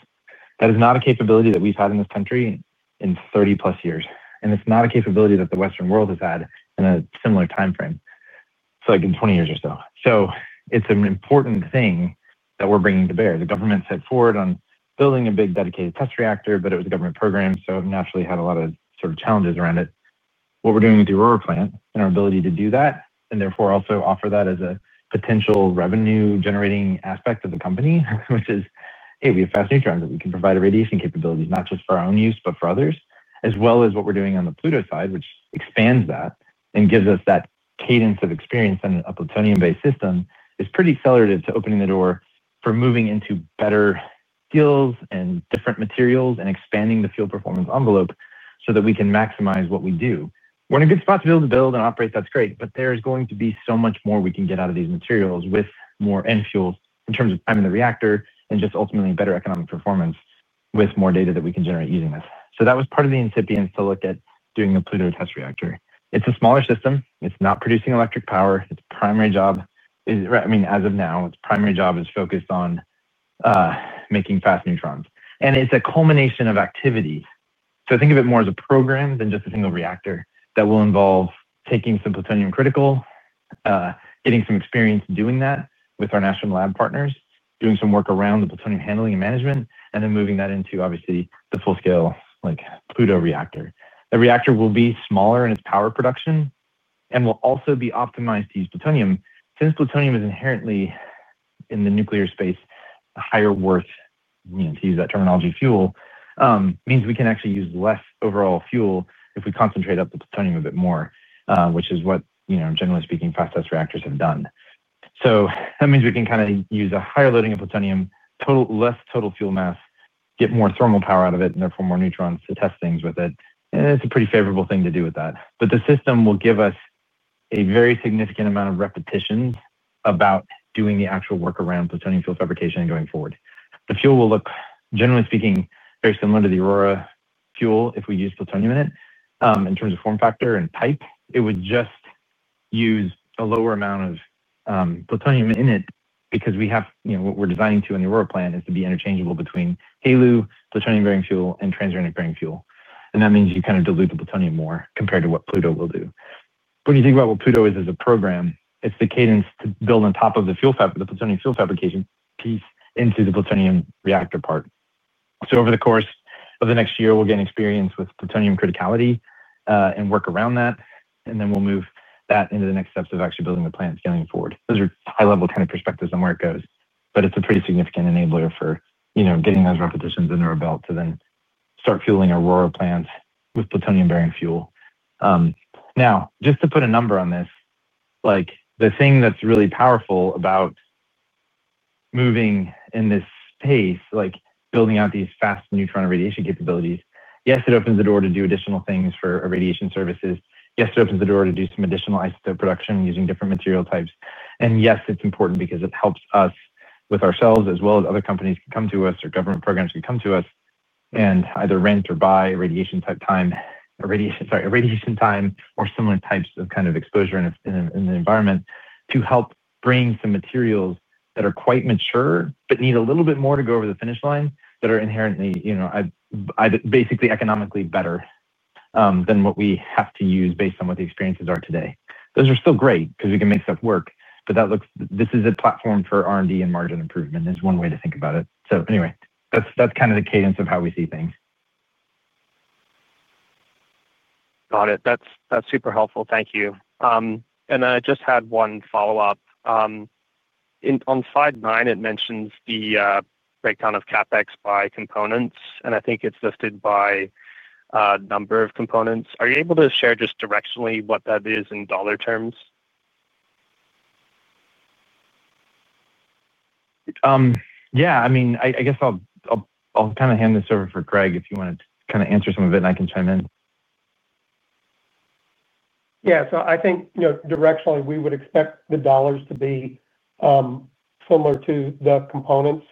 That is not a capability that we've had in this country in 30-plus years. It is not a capability that the Western world has had in a similar timeframe, like in 20 years or so. It is an important thing that we're bringing to bear. The government set forward on building a big dedicated test reactor, but it was a government program, so it naturally had a lot of sort of challenges around it. What we're doing with the Aurora plant and our ability to do that, and therefore also offer that as a potential revenue-generating aspect of the company, which is, hey, we have fast neutrons that we can provide irradiation capabilities, not just for our own use, but for others, as well as what we're doing on the Pluto side, which expands that and gives us that cadence of experience in a plutonium-based system, is pretty accelerative to opening the door for moving into better deals and different materials and expanding the fuel performance envelope so that we can maximize what we do. We're in a good spot to be able to build and operate. That's great. There is going to be so much more we can get out of these materials with more end fuels in terms of time in the reactor and just ultimately better economic performance with more data that we can generate using this. That was part of the incipients to look at doing a Pluto test reactor. It's a smaller system. It's not producing electric power. Its primary job, I mean, as of now, its primary job is focused on making fast neutrons. It's a culmination of activity. Think of it more as a program than just a single reactor that will involve taking some plutonium critical, getting some experience doing that with our national lab partners, doing some work around the plutonium handling and management, and then moving that into obviously the full-scale Pluto reactor. The reactor will be smaller in its power production and will also be optimized to use plutonium. Since plutonium is inherently in the nuclear space, higher worth, to use that terminology, fuel means we can actually use less overall fuel if we concentrate up the plutonium a bit more, which is what, generally speaking, fast test reactors have done. That means we can kind of use a higher loading of plutonium, less total fuel mass, get more thermal power out of it, and therefore more neutrons to test things with it. It is a pretty favorable thing to do with that. The system will give us a very significant amount of repetitions about doing the actual work around plutonium fuel fabrication going forward. The fuel will look, generally speaking, very similar to the Aurora fuel if we use plutonium in it. In terms of form factor and type, it would just use a lower amount of plutonium in it because what we're designing to an Aurora plant is to be interchangeable between HALEU, plutonium-bearing fuel, and transuranic-bearing fuel. That means you kind of dilute the plutonium more compared to what Pluto will do. When you think about what Pluto is as a program, it's the cadence to build on top of the plutonium fuel fabrication piece into the plutonium reactor part. Over the course of the next year, we'll gain experience with plutonium criticality and work around that. Then we'll move that into the next steps of actually building the plant scaling forward. Those are high-level kind of perspectives on where it goes. It's a pretty significant enabler for getting those repetitions in the rebuild to then start fueling Aurora plants with plutonium-bearing fuel. Now, just to put a number on this, the thing that's really powerful about moving in this space, building out these fast neutron irradiation capabilities, yes, it opens the door to do additional things for irradiation services. Yes, it opens the door to do some additional isotope production using different material types. Yes, it's important because it helps us with ourselves as well as other companies can come to us or government programs can come to us and either rent or buy irradiation-type time or irradiation time or similar types of kind of exposure in the environment to help bring some materials that are quite mature but need a little bit more to go over the finish line that are inherently basically economically better than what we have to use based on what the experiences are today. Those are still great because we can make stuff work. But this is a platform for R&D and margin improvement is one way to think about it. Anyway, that is kind of the cadence of how we see things. Got it. That is super helpful. Thank you. I just had one follow-up. On slide nine, it mentions the breakdown of CapEx by components. I think it is listed by number of components. Are you able to share just directionally what that is in dollar terms? Yeah. I mean, I guess I will kind of hand this over for Craig if you want to kind of answer some of it and I can chime in. Yeah. I think directionally, we would expect the dollars to be similar to the components.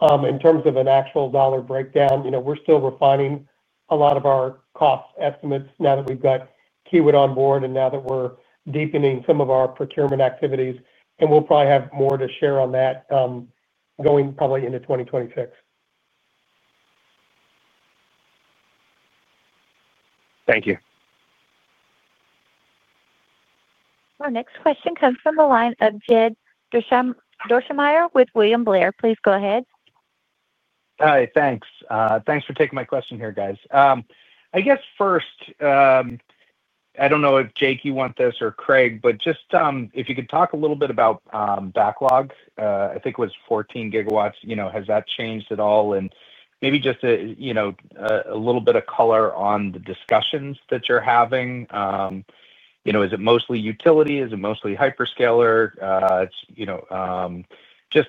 In terms of an actual dollar breakdown, we're still refining a lot of our cost estimates now that we've got Kiewit on board and now that we're deepening some of our procurement activities. We'll probably have more to share on that going probably into 2026. Thank you. Our next question comes from the line of Jed Dorsheimer with William Blair. Please go ahead. Hi. Thanks. Thanks for taking my question here, guys. I guess first, I don't know if Jake, you want this or Craig, but just if you could talk a little bit about backlog. I think it was 14 GW. Has that changed at all? Maybe just a little bit of color on the discussions that you're having. Is it mostly utility? Is it mostly hyperscaler? Just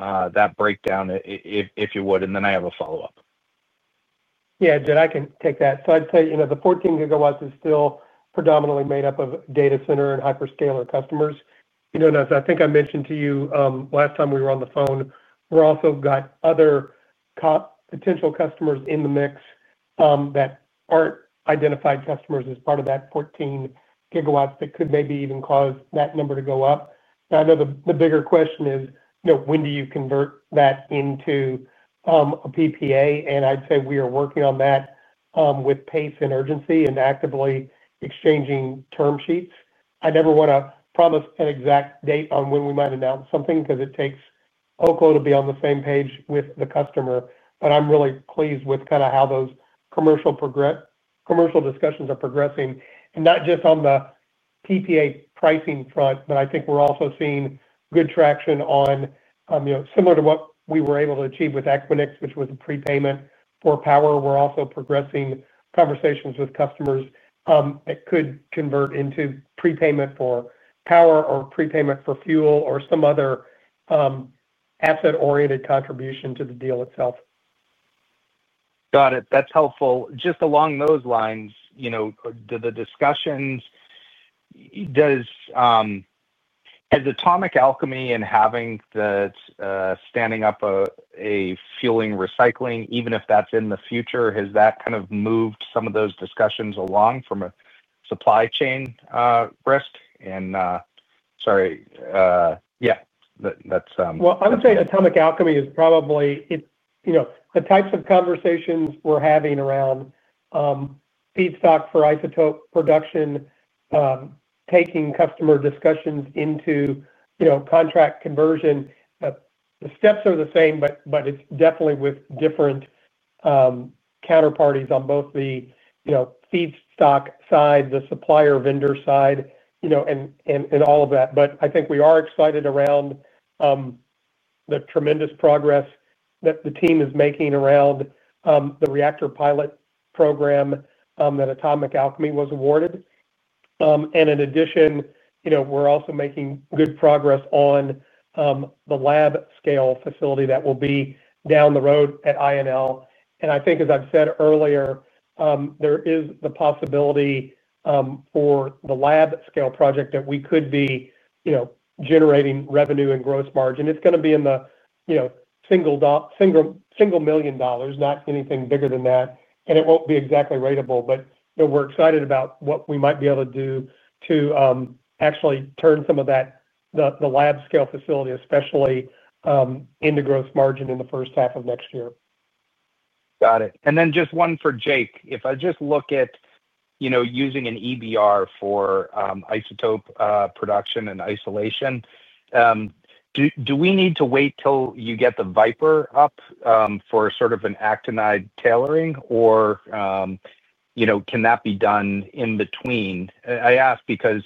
that breakdown, if you would, and then I have a follow-up. Yeah, Jed, I can take that. I'd say the 14 GW is still predominantly made up of data center and hyperscaler customers. I think I mentioned to you last time we were on the phone, we've also got other potential customers in the mix that are not identified customers as part of that 14 GW that could maybe even cause that number to go up. I know the bigger question is, when do you convert that into a PPA? I'd say we are working on that with pace and urgency and actively exchanging term sheets. I never want to promise an exact date on when we might announce something because it takes Oklo to be on the same page with the customer. I'm really pleased with kind of how those commercial discussions are progressing, not just on the PPA pricing front, but I think we're also seeing good traction on similar to what we were able to achieve with Equinix, which was a prepayment for power. We're also progressing conversations with customers that could convert into prepayment for power or prepayment for fuel or some other asset-oriented contribution to the deal itself. Got it. That's helpful. Just along those lines, the discussions, has Atomic Alchemy and having the standing up a fuel recycling, even if that's in the future, has that kind of moved some of those discussions along from a supply chain risk? Sorry. Yeah. I would say Atomic Alchemy is probably the types of conversations we're having around feedstock for isotope production, taking customer discussions into contract conversion. The steps are the same, but it's definitely with different counterparties on both the feedstock side, the supplier-vendor side, and all of that. I think we are excited around the tremendous progress that the team is making around the Reactor Pilot Program that Atomic Alchemy was awarded. In addition, we're also making good progress on the lab scale facility that will be down the road at INL. I think, as I've said earlier, there is the possibility for the lab scale project that we could be generating revenue and gross margin. It's going to be in the single million dollars, not anything bigger than that. It won't be exactly ratable. We are excited about what we might be able to do to actually turn some of that, the lab scale facility, especially into gross margin in the first half of next year. Got it. And then just one for Jake. If I just look at using an EBR for isotope production and isolation, do we need to wait till you get the Viper up for sort of an actinide tailoring, or can that be done in between? I ask because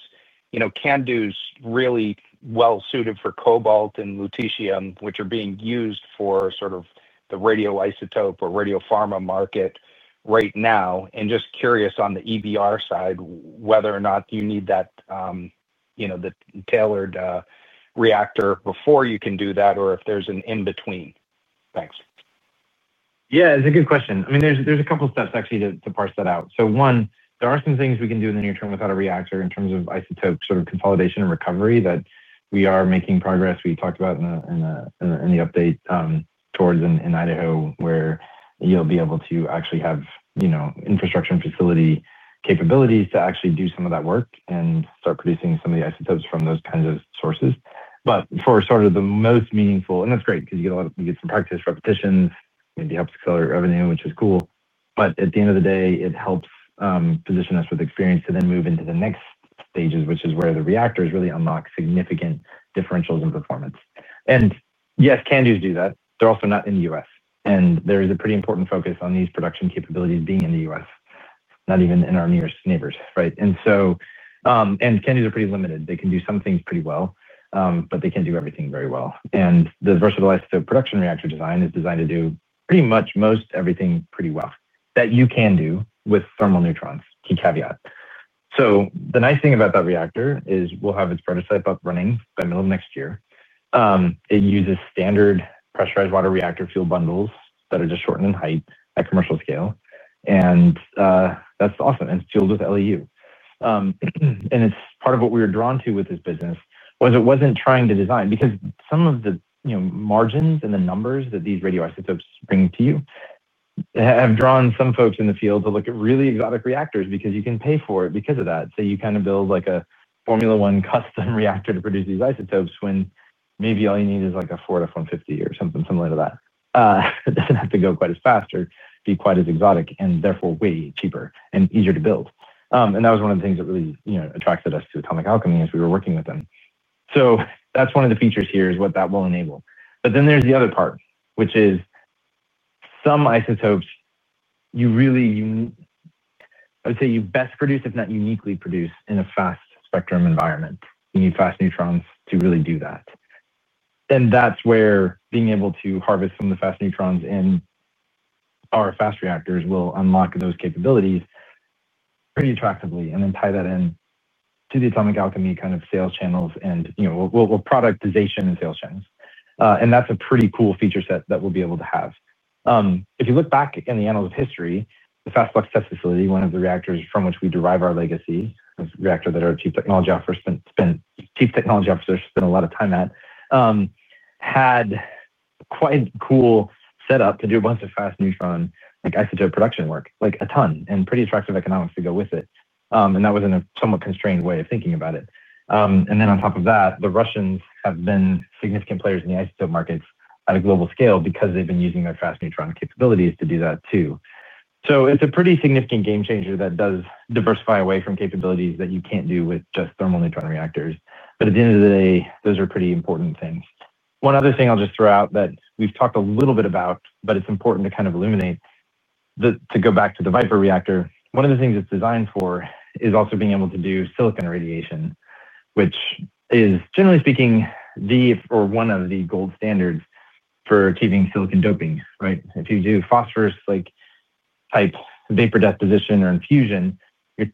Candu's really well-suited for cobalt and lutetium, which are being used for sort of the radioisotope or radiopharma market right now. Just curious on the EBR side, whether or not you need that tailored reactor before you can do that, or if there's an in-between. Thanks. Yeah. It's a good question. I mean, there's a couple of steps actually to parse that out. One, there are some things we can do in the near-term without a reactor in terms of isotope sort of consolidation and recovery that we are making progress. We talked about in the update towards in Idaho where you'll be able to actually have infrastructure and facility capabilities to actually do some of that work and start producing some of the isotopes from those kinds of sources. For sort of the most meaningful, and that's great because you get some practice repetitions, maybe helps accelerate revenue, which is cool. At the end of the day, it helps position us with experience to then move into the next stages, which is where the reactors really unlock significant differentials in performance. Yes, Candu's do that. They're also not in the U.S. There is a pretty important focus on these production capabilities being in the U.S., not even in our nearest neighbors, right? Candu's are pretty limited. They can do some things pretty well, but they can't do everything very well. The versatile isotope production reactor design is designed to do pretty much most everything pretty well that you can do with thermal neutrons, key caveat. The nice thing about that reactor is we'll have its prototype up running by middle of next year. It uses standard pressurized water reactor fuel bundles that are just shortened in height at commercial scale. That's awesome. It's fueled with LEU. It's part of what we were drawn to with this business was it wasn't trying to design because some of the margins and the numbers that these radioisotopes bring to you have drawn some folks in the field to look at really exotic reactors because you can pay for it because of that. You kind of build like a Formula One custom reactor to produce these isotopes when maybe all you need is like a Ford F-150 or something similar to that. It does not have to go quite as fast or be quite as exotic and therefore way cheaper and easier to build. That was one of the things that really attracted us to Atomic Alchemy as we were working with them. That is one of the features here is what that will enable. There is the other part, which is some isotopes, I would say you best produce, if not uniquely produce in a fast spectrum environment. You need fast neutrons to really do that. That is where being able to harvest some of the fast neutrons in our fast reactors will unlock those capabilities pretty attractively and then tie that in to the Atomic Alchemy kind of sales channels and productization and sales channels. That is a pretty cool feature set that we will be able to have. If you look back in the annals of history, the Fast Flux Test Facility, one of the reactors from which we derive our legacy reactor that our Chief Technology Officer spent a lot of time at, had quite a cool setup to do a bunch of fast neutron isotope production work, like a ton, and pretty attractive economics to go with it. That was in a somewhat constrained way of thinking about it. On top of that, the Russians have been significant players in the isotope markets at a global scale because they've been using their fast neutron capabilities to do that too. It is a pretty significant game changer that does diversify away from capabilities that you can't do with just thermal neutron reactors. At the end of the day, those are pretty important things. One other thing I'll just throw out that we've talked a little bit about, but it's important to kind of illuminate to go back to the Viper reactor. One of the things it's designed for is also being able to do silicon irradiation, which is, generally speaking, the or one of the gold standards for achieving silicon doping, right? If you do phosphorus-type vapor deposition or infusion, you're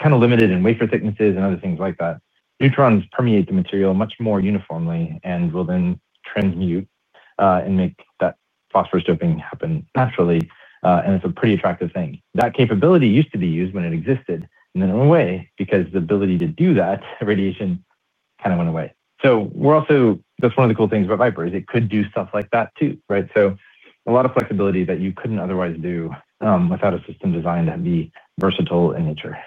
kind of limited in wafer thicknesses and other things like that. Neutrons permeate the material much more uniformly and will then transmute and make that phosphorus doping happen naturally. It is a pretty attractive thing. That capability used to be used when it existed, and then it went away because the ability to do that radiation kind of went away. That is one of the cool things about Viper, it could do stuff like that too, right? A lot of flexibility that you could not otherwise do without a system designed to be versatile in nature.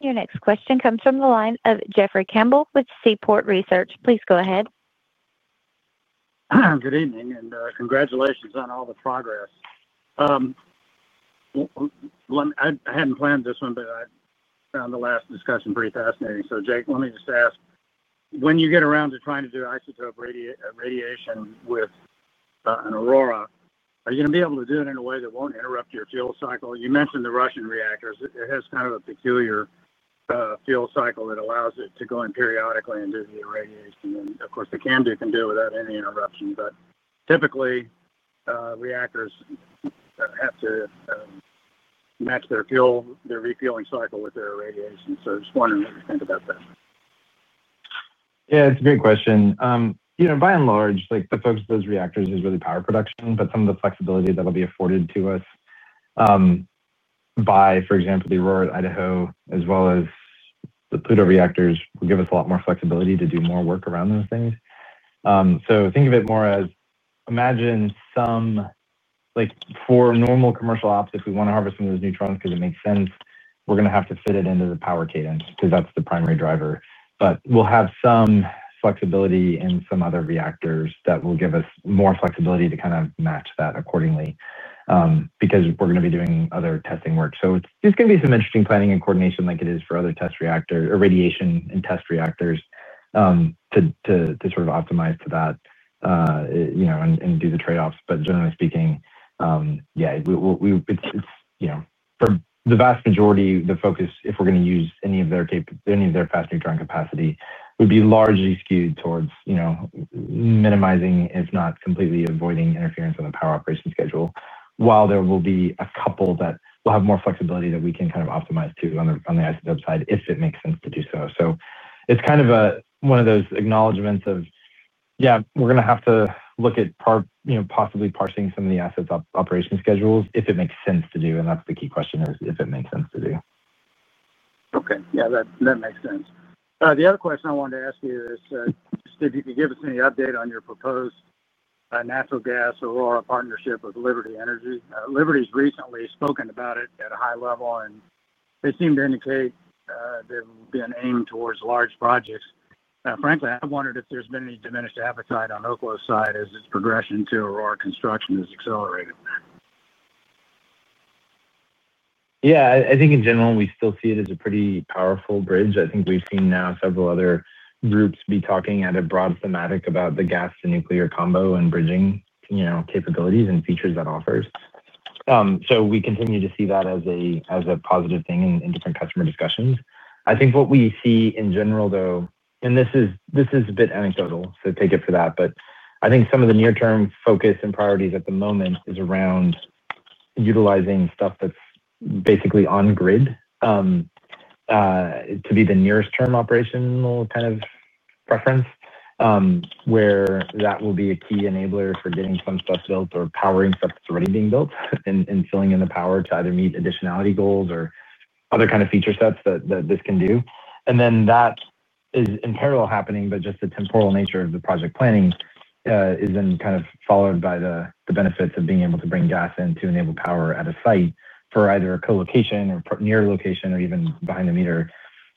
Your next question comes from the line of Jeffrey Campbell with Seaport Research. Please go ahead. Good evening and congratulations on all the progress. I had not planned this one, but I found the last discussion pretty fascinating. Jake, let me just ask, when you get around to trying to do isotope irradiation with an Aurora, are you going to be able to do it in a way that will not interrupt your fuel cycle? You mentioned the Russian reactors. It has kind of a peculiar fuel cycle that allows it to go in periodically and do the irradiation. Of course, the Candu can do it without any interruption. Typically, reactors have to match their refueling cycle with their irradiation. I just wanted to think about that. Yeah, it is a great question. By and large, the focus of those reactors is really power production, but some of the flexibility that will be afforded to us by, for example, the Aurora at Idaho, as well as the Pluto reactors, will give us a lot more flexibility to do more work around those things. Think of it more as imagine some for normal commercial ops, if we want to harvest some of those neutrons because it makes sense, we're going to have to fit it into the power cadence because that's the primary driver. We'll have some flexibility in some other reactors that will give us more flexibility to kind of match that accordingly because we're going to be doing other testing work. It's just going to be some interesting planning and coordination like it is for other test reactors or radiation and test reactors to sort of optimize to that and do the trade-offs. Generally speaking, yeah. It's for the vast majority, the focus, if we're going to use any of their fast neutron capacity, would be largely skewed towards minimizing, if not completely avoiding, interference on the power operation schedule, while there will be a couple that will have more flexibility that we can kind of optimize to on the isotope side if it makes sense to do so. It's kind of one of those acknowledgments of, yeah, we're going to have to look at possibly parsing some of the asset's operation schedules if it makes sense to do. That's the key question, if it makes sense to do. Okay. Yeah, that makes sense. The other question I wanted to ask you is if you could give us any update on your proposed natural gas Aurora partnership with Liberty Energy. Liberty's recently spoken about it at a high level, and they seem to indicate they've been aimed towards large projects. Frankly, I've wondered if there's been any diminished appetite on Oklo's side as its progression to Aurora construction has accelerated. Yeah. I think in general, we still see it as a pretty powerful bridge. I think we've seen now several other groups be talking at a broad thematic about the gas-to-nuclear combo and bridging capabilities and features that offers. We continue to see that as a positive thing in different customer discussions. I think what we see in general, though, and this is a bit anecdotal, so take it for that, but I think some of the near-term focus and priorities at the moment is around utilizing stuff that's basically on-grid to be the nearest-term operational kind of preference, where that will be a key enabler for getting some stuff built or powering stuff that's already being built and filling in the power to either meet additionality goals or other kind of feature sets that this can do. That is in parallel happening, but just the temporal nature of the project planning is then kind of followed by the benefits of being able to bring gas in to enable power at a site for either a co-location or near location or even behind-the-meter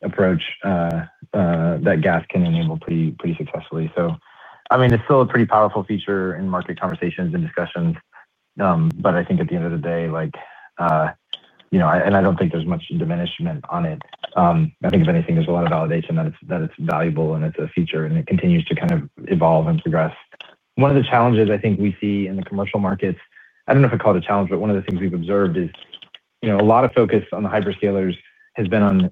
approach that gas can enable pretty successfully. I mean, it's still a pretty powerful feature in market conversations and discussions. I think at the end of the day, and I don't think there's much diminishment on it. I think if anything, there's a lot of validation that it's valuable and it's a feature and it continues to kind of evolve and progress. One of the challenges I think we see in the commercial markets, I don't know if I'd call it a challenge, but one of the things we've observed is a lot of focus on the hyperscalers has been on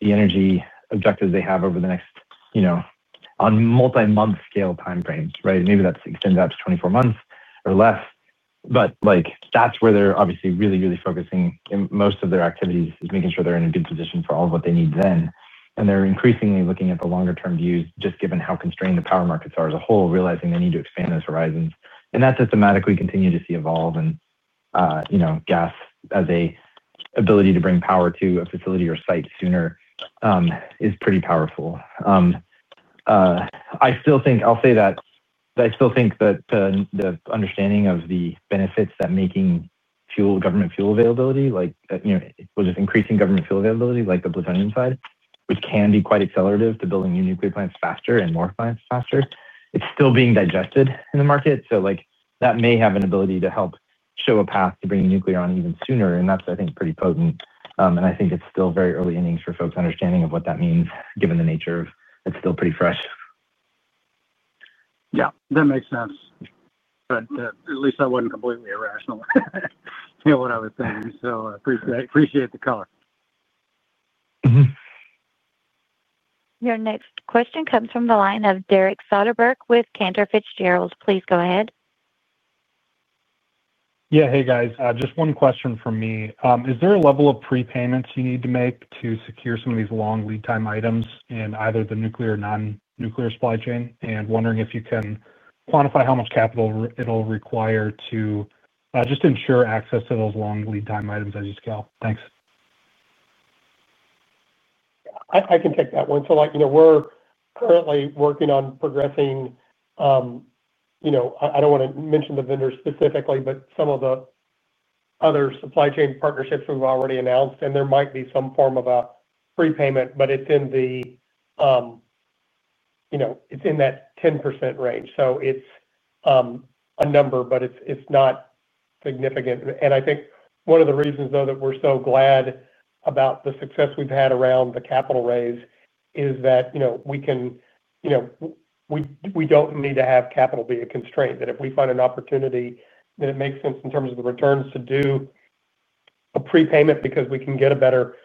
the energy objectives they have over the next multi-month scale timeframes, right? Maybe that extends out to 24 months or less. That's where they're obviously really, really focusing most of their activities is making sure they're in a good position for all of what they need then. They are increasingly looking at the longer-term views just given how constrained the power markets are as a whole, realizing they need to expand those horizons. That is a thematic we continue to see evolve. Gas as an ability to bring power to a facility or site sooner is pretty powerful. I still think, I'll say that I still think that the understanding of the benefits that making government fuel availability, like with just increasing government fuel availability, like the plutonium side, which can be quite accelerative to building new nuclear plants faster and more plants faster, is still being digested in the market. That may have an ability to help show a path to bringing nuclear on even sooner. That is, I think, pretty potent. I think it's still very early innings for folks' understanding of what that means, given the nature of it's still pretty fresh. Yeah, that makes sense. At least I wasn't completely irrational in what I was saying. I appreciate the color. Your next question comes from the line of Derek Soderberg with Cantor Fitzgerald. Please go ahead. Yeah, hey, guys. Just one question for me. Is there a level of prepayments you need to make to secure some of these long lead time items in either the nuclear or non-nuclear supply chain? Wondering if you can quantify how much capital it'll require to just ensure access to those long lead time items as you scale. Thanks. I can take that one. We're currently working on progressing. I do not want to mention the vendors specifically, but some of the other supply chain partnerships we have already announced, and there might be some form of a prepayment, but it is in the 10% range. It is a number, but it is not significant. I think one of the reasons, though, that we are so glad about the success we have had around the capital raise is that we do not need to have capital be a constraint. If we find an opportunity that it makes sense in terms of the returns to do a prepayment because we can get a better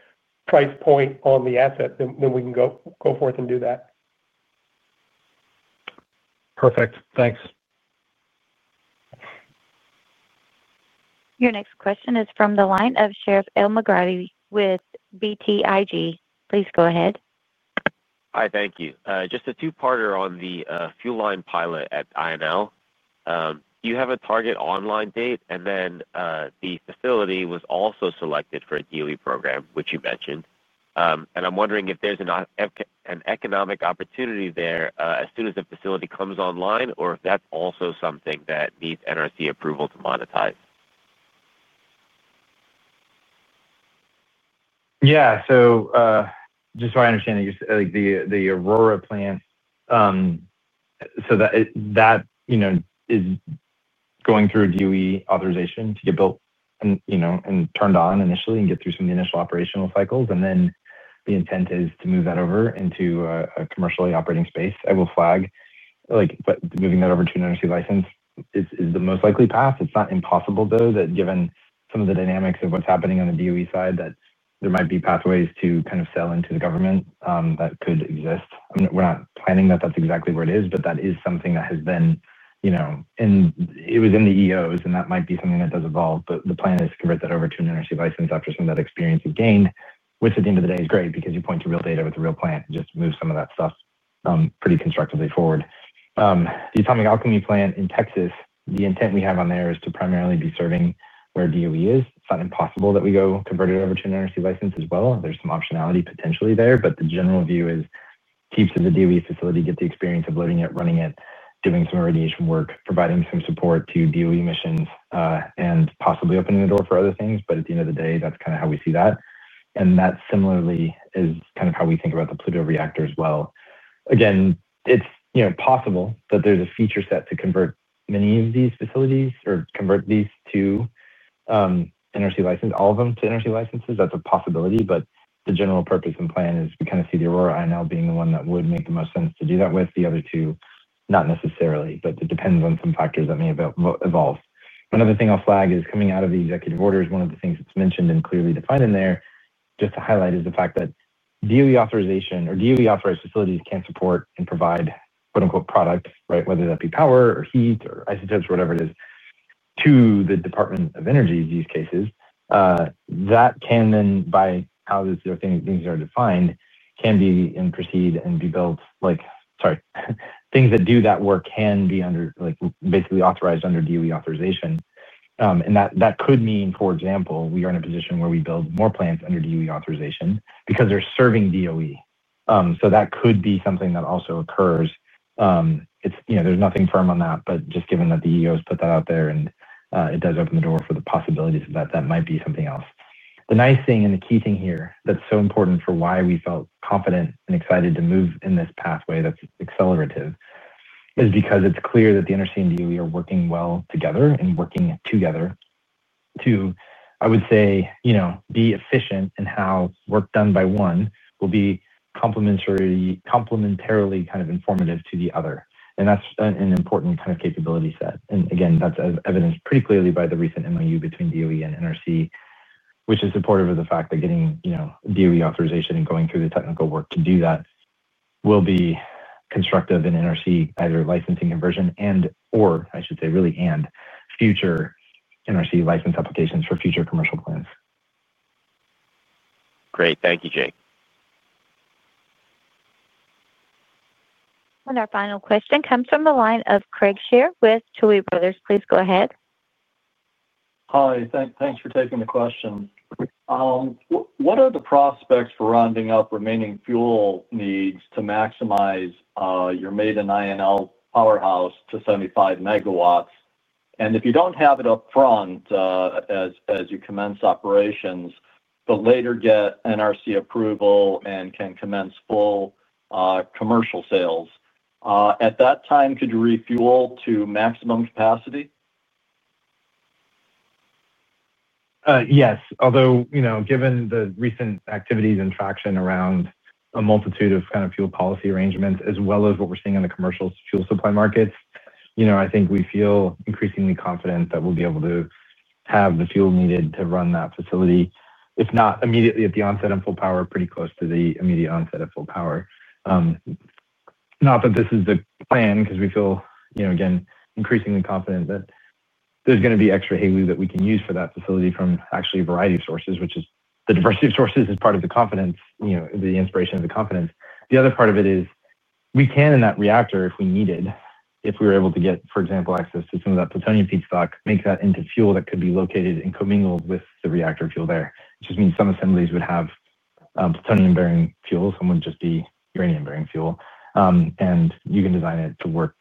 price point on the asset, then we can go forth and do that. Perfect. Thanks. Your next question is from the line of Sherif Elmaghrabi with BTIG. Please go ahead. Hi. Thank you. Just a two-parter on the Fuel Line Pilot at INL. You have a target online date, and then the facility was also selected for a GEWE program, which you mentioned. I'm wondering if there's an economic opportunity there as soon as the facility comes online, or if that's also something that needs NRC approval to monetize. Yeah. Just so I understand, the Aurora plant, that is going through GEWE authorization to get built and turned on initially and get through some of the initial operational cycles. The intent is to move that over into a commercially operating space. I will flag that moving that over to an NRC license is the most likely path. It's not impossible, though, that given some of the dynamics of what's happening on the GEWE side, there might be pathways to kind of sell into the government that could exist. We're not planning that that's exactly where it is, but that is something that has been and it was in the EOs, and that might be something that does evolve. The plan is to convert that over to an NRC license after some of that experience is gained, which at the end of the day is great because you point to real data with a real plant and just move some of that stuff pretty constructively forward. The Atomic Alchemy plant in Texas, the intent we have on there is to primarily be serving where GEWE is. It's not impossible that we go convert it over to an NRC license as well. There's some optionality potentially there, but the general view is keep some of the GEWE facility, get the experience of living it, running it, doing some irradiation work, providing some support to GEWE missions, and possibly opening the door for other things. At the end of the day, that's kind of how we see that. That similarly is kind of how we think about the Pluto reactor as well. Again, it's possible that there's a feature set to convert many of these facilities or convert these to NRC license, all of them to NRC licenses. That's a possibility. The general purpose and plan is we kind of see the Aurora INL being the one that would make the most sense to do that with. The other two, not necessarily, but it depends on some factors that may evolve. Another thing I'll flag is coming out of the executive orders, one of the things that's mentioned and clearly defined in there, just to highlight, is the fact that GEWE authorization or GEWE authorized facilities can support and provide "products," right, whether that be power or heat or isotopes or whatever it is, to the Department of Energy's use cases. That can then, by how these things are defined, can be and proceed and be built. Sorry. Things that do that work can be basically authorized under GEWE authorization. That could mean, for example, we are in a position where we build more plants under GEWE authorization because they're serving GEWE. That could be something that also occurs. There's nothing firm on that, but just given that the EOs put that out there and it does open the door for the possibilities of that, that might be something else. The nice thing and the key thing here that's so important for why we felt confident and excited to move in this pathway that's accelerative is because it's clear that the NRC and GEWE are working well together and working together to, I would say, be efficient in how work done by one will be complementarily kind of informative to the other. That's an important kind of capability set. That is evidenced pretty clearly by the recent MOU between GEWE and NRC, which is supportive of the fact that getting GEWE authorization and going through the technical work to do that will be constructive in NRC either licensing conversion and/or, I should say, really and future NRC license applications for future commercial plans. Great. Thank you, Jake. Our final question comes from the line of Craig Shere with Tuohy Brothers. Please go ahead. Hi. Thanks for taking the question. What are the prospects for rounding up remaining fuel needs to maximize your maiden INL powerhouse to 75 MW? If you do not have it upfront as you commence operations, but later get NRC approval and can commence full commercial sales, at that time, could you refuel to maximum capacity? Yes. Although given the recent activities and traction around a multitude of kind of fuel policy arrangements, as well as what we're seeing in the commercial fuel supply markets, I think we feel increasingly confident that we'll be able to have the fuel needed to run that facility, if not immediately at the onset of full power, pretty close to the immediate onset of full power. Not that this is the plan because we feel, again, increasingly confident that there's going to be extra HALEU that we can use for that facility from actually a variety of sources, which is the diversity of sources is part of the confidence, the inspiration of the confidence. The other part of it is we can in that reactor, if we needed, if we were able to get, for example, access to some of that plutonium feedstock, make that into fuel that could be located and commingled with the reactor fuel there. It just means some assemblies would have plutonium-bearing fuel. Some would just be uranium-bearing fuel. You can design it to work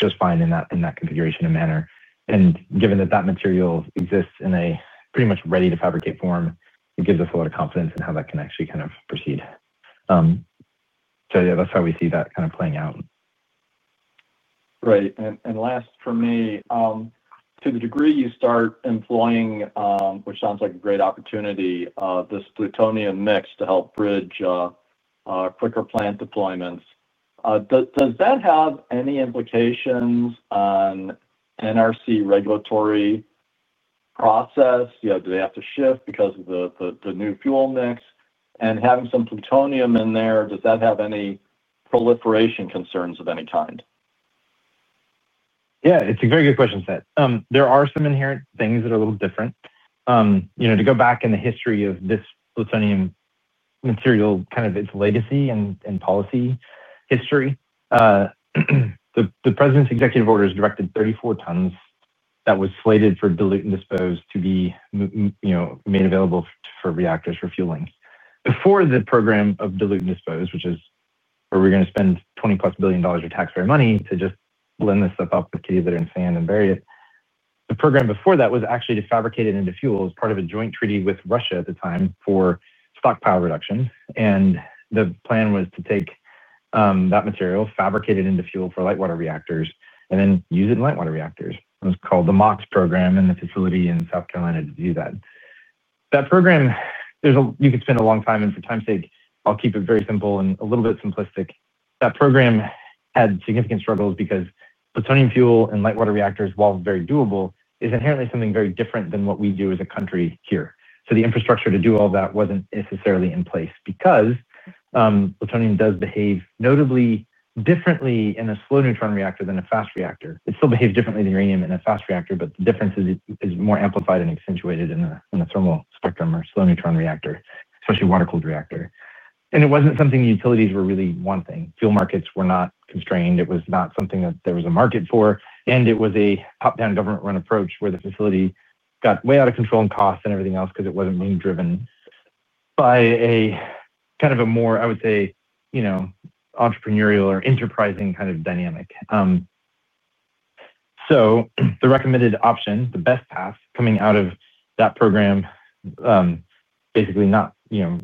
just fine in that configuration and manner. Given that that material exists in a pretty much ready-to-fabricate form, it gives us a lot of confidence in how that can actually kind of proceed. Yeah, that's how we see that kind of playing out. Right. Last for me, to the degree you start employing, which sounds like a great opportunity, this plutonium mix to help bridge quicker plant deployments, does that have any implications on NRC regulatory process? Do they have to shift because of the new fuel mix? And having some plutonium in there, does that have any proliferation concerns of any kind? Yeah. It's a very good question, Craig. There are some inherent things that are a little different. To go back in the history of this plutonium material, kind of its legacy and policy history, the President's executive order has directed 34 tons that was slated for dilute and dispose to be made available for reactors for fueling. Before the program of dilute and dispose, which is where we're going to spend $20 billion+ of taxpayer money to just blend this stuff up with cathode and sand and bury it, the program before that was actually to fabricate it into fuel as part of a joint treaty with Russia at the time for stockpile reduction. The plan was to take that material, fabricate it into fuel for light water reactors, and then use it in light water reactors. It was called the MOX program in the facility in South Carolina to do that. That program, you could spend a long time. For time's sake, I'll keep it very simple and a little bit simplistic. That program had significant struggles because plutonium fuel in light water reactors, while very doable, is inherently something very different than what we do as a country here. The infrastructure to do all that was not necessarily in place because plutonium does behave notably differently in a slow neutron reactor than a fast reactor. It still behaves differently than uranium in a fast reactor, but the difference is more amplified and accentuated in the thermal spectrum or slow neutron reactor, especially water-cooled reactor. It was not something utilities were really wanting. Fuel markets were not constrained. It was not something that there was a market for. It was a top-down government-run approach where the facility got way out of control in cost and everything else because it was not being driven by a kind of a more, I would say, entrepreneurial or enterprising kind of dynamic. The recommended option, the best path coming out of that program, basically not being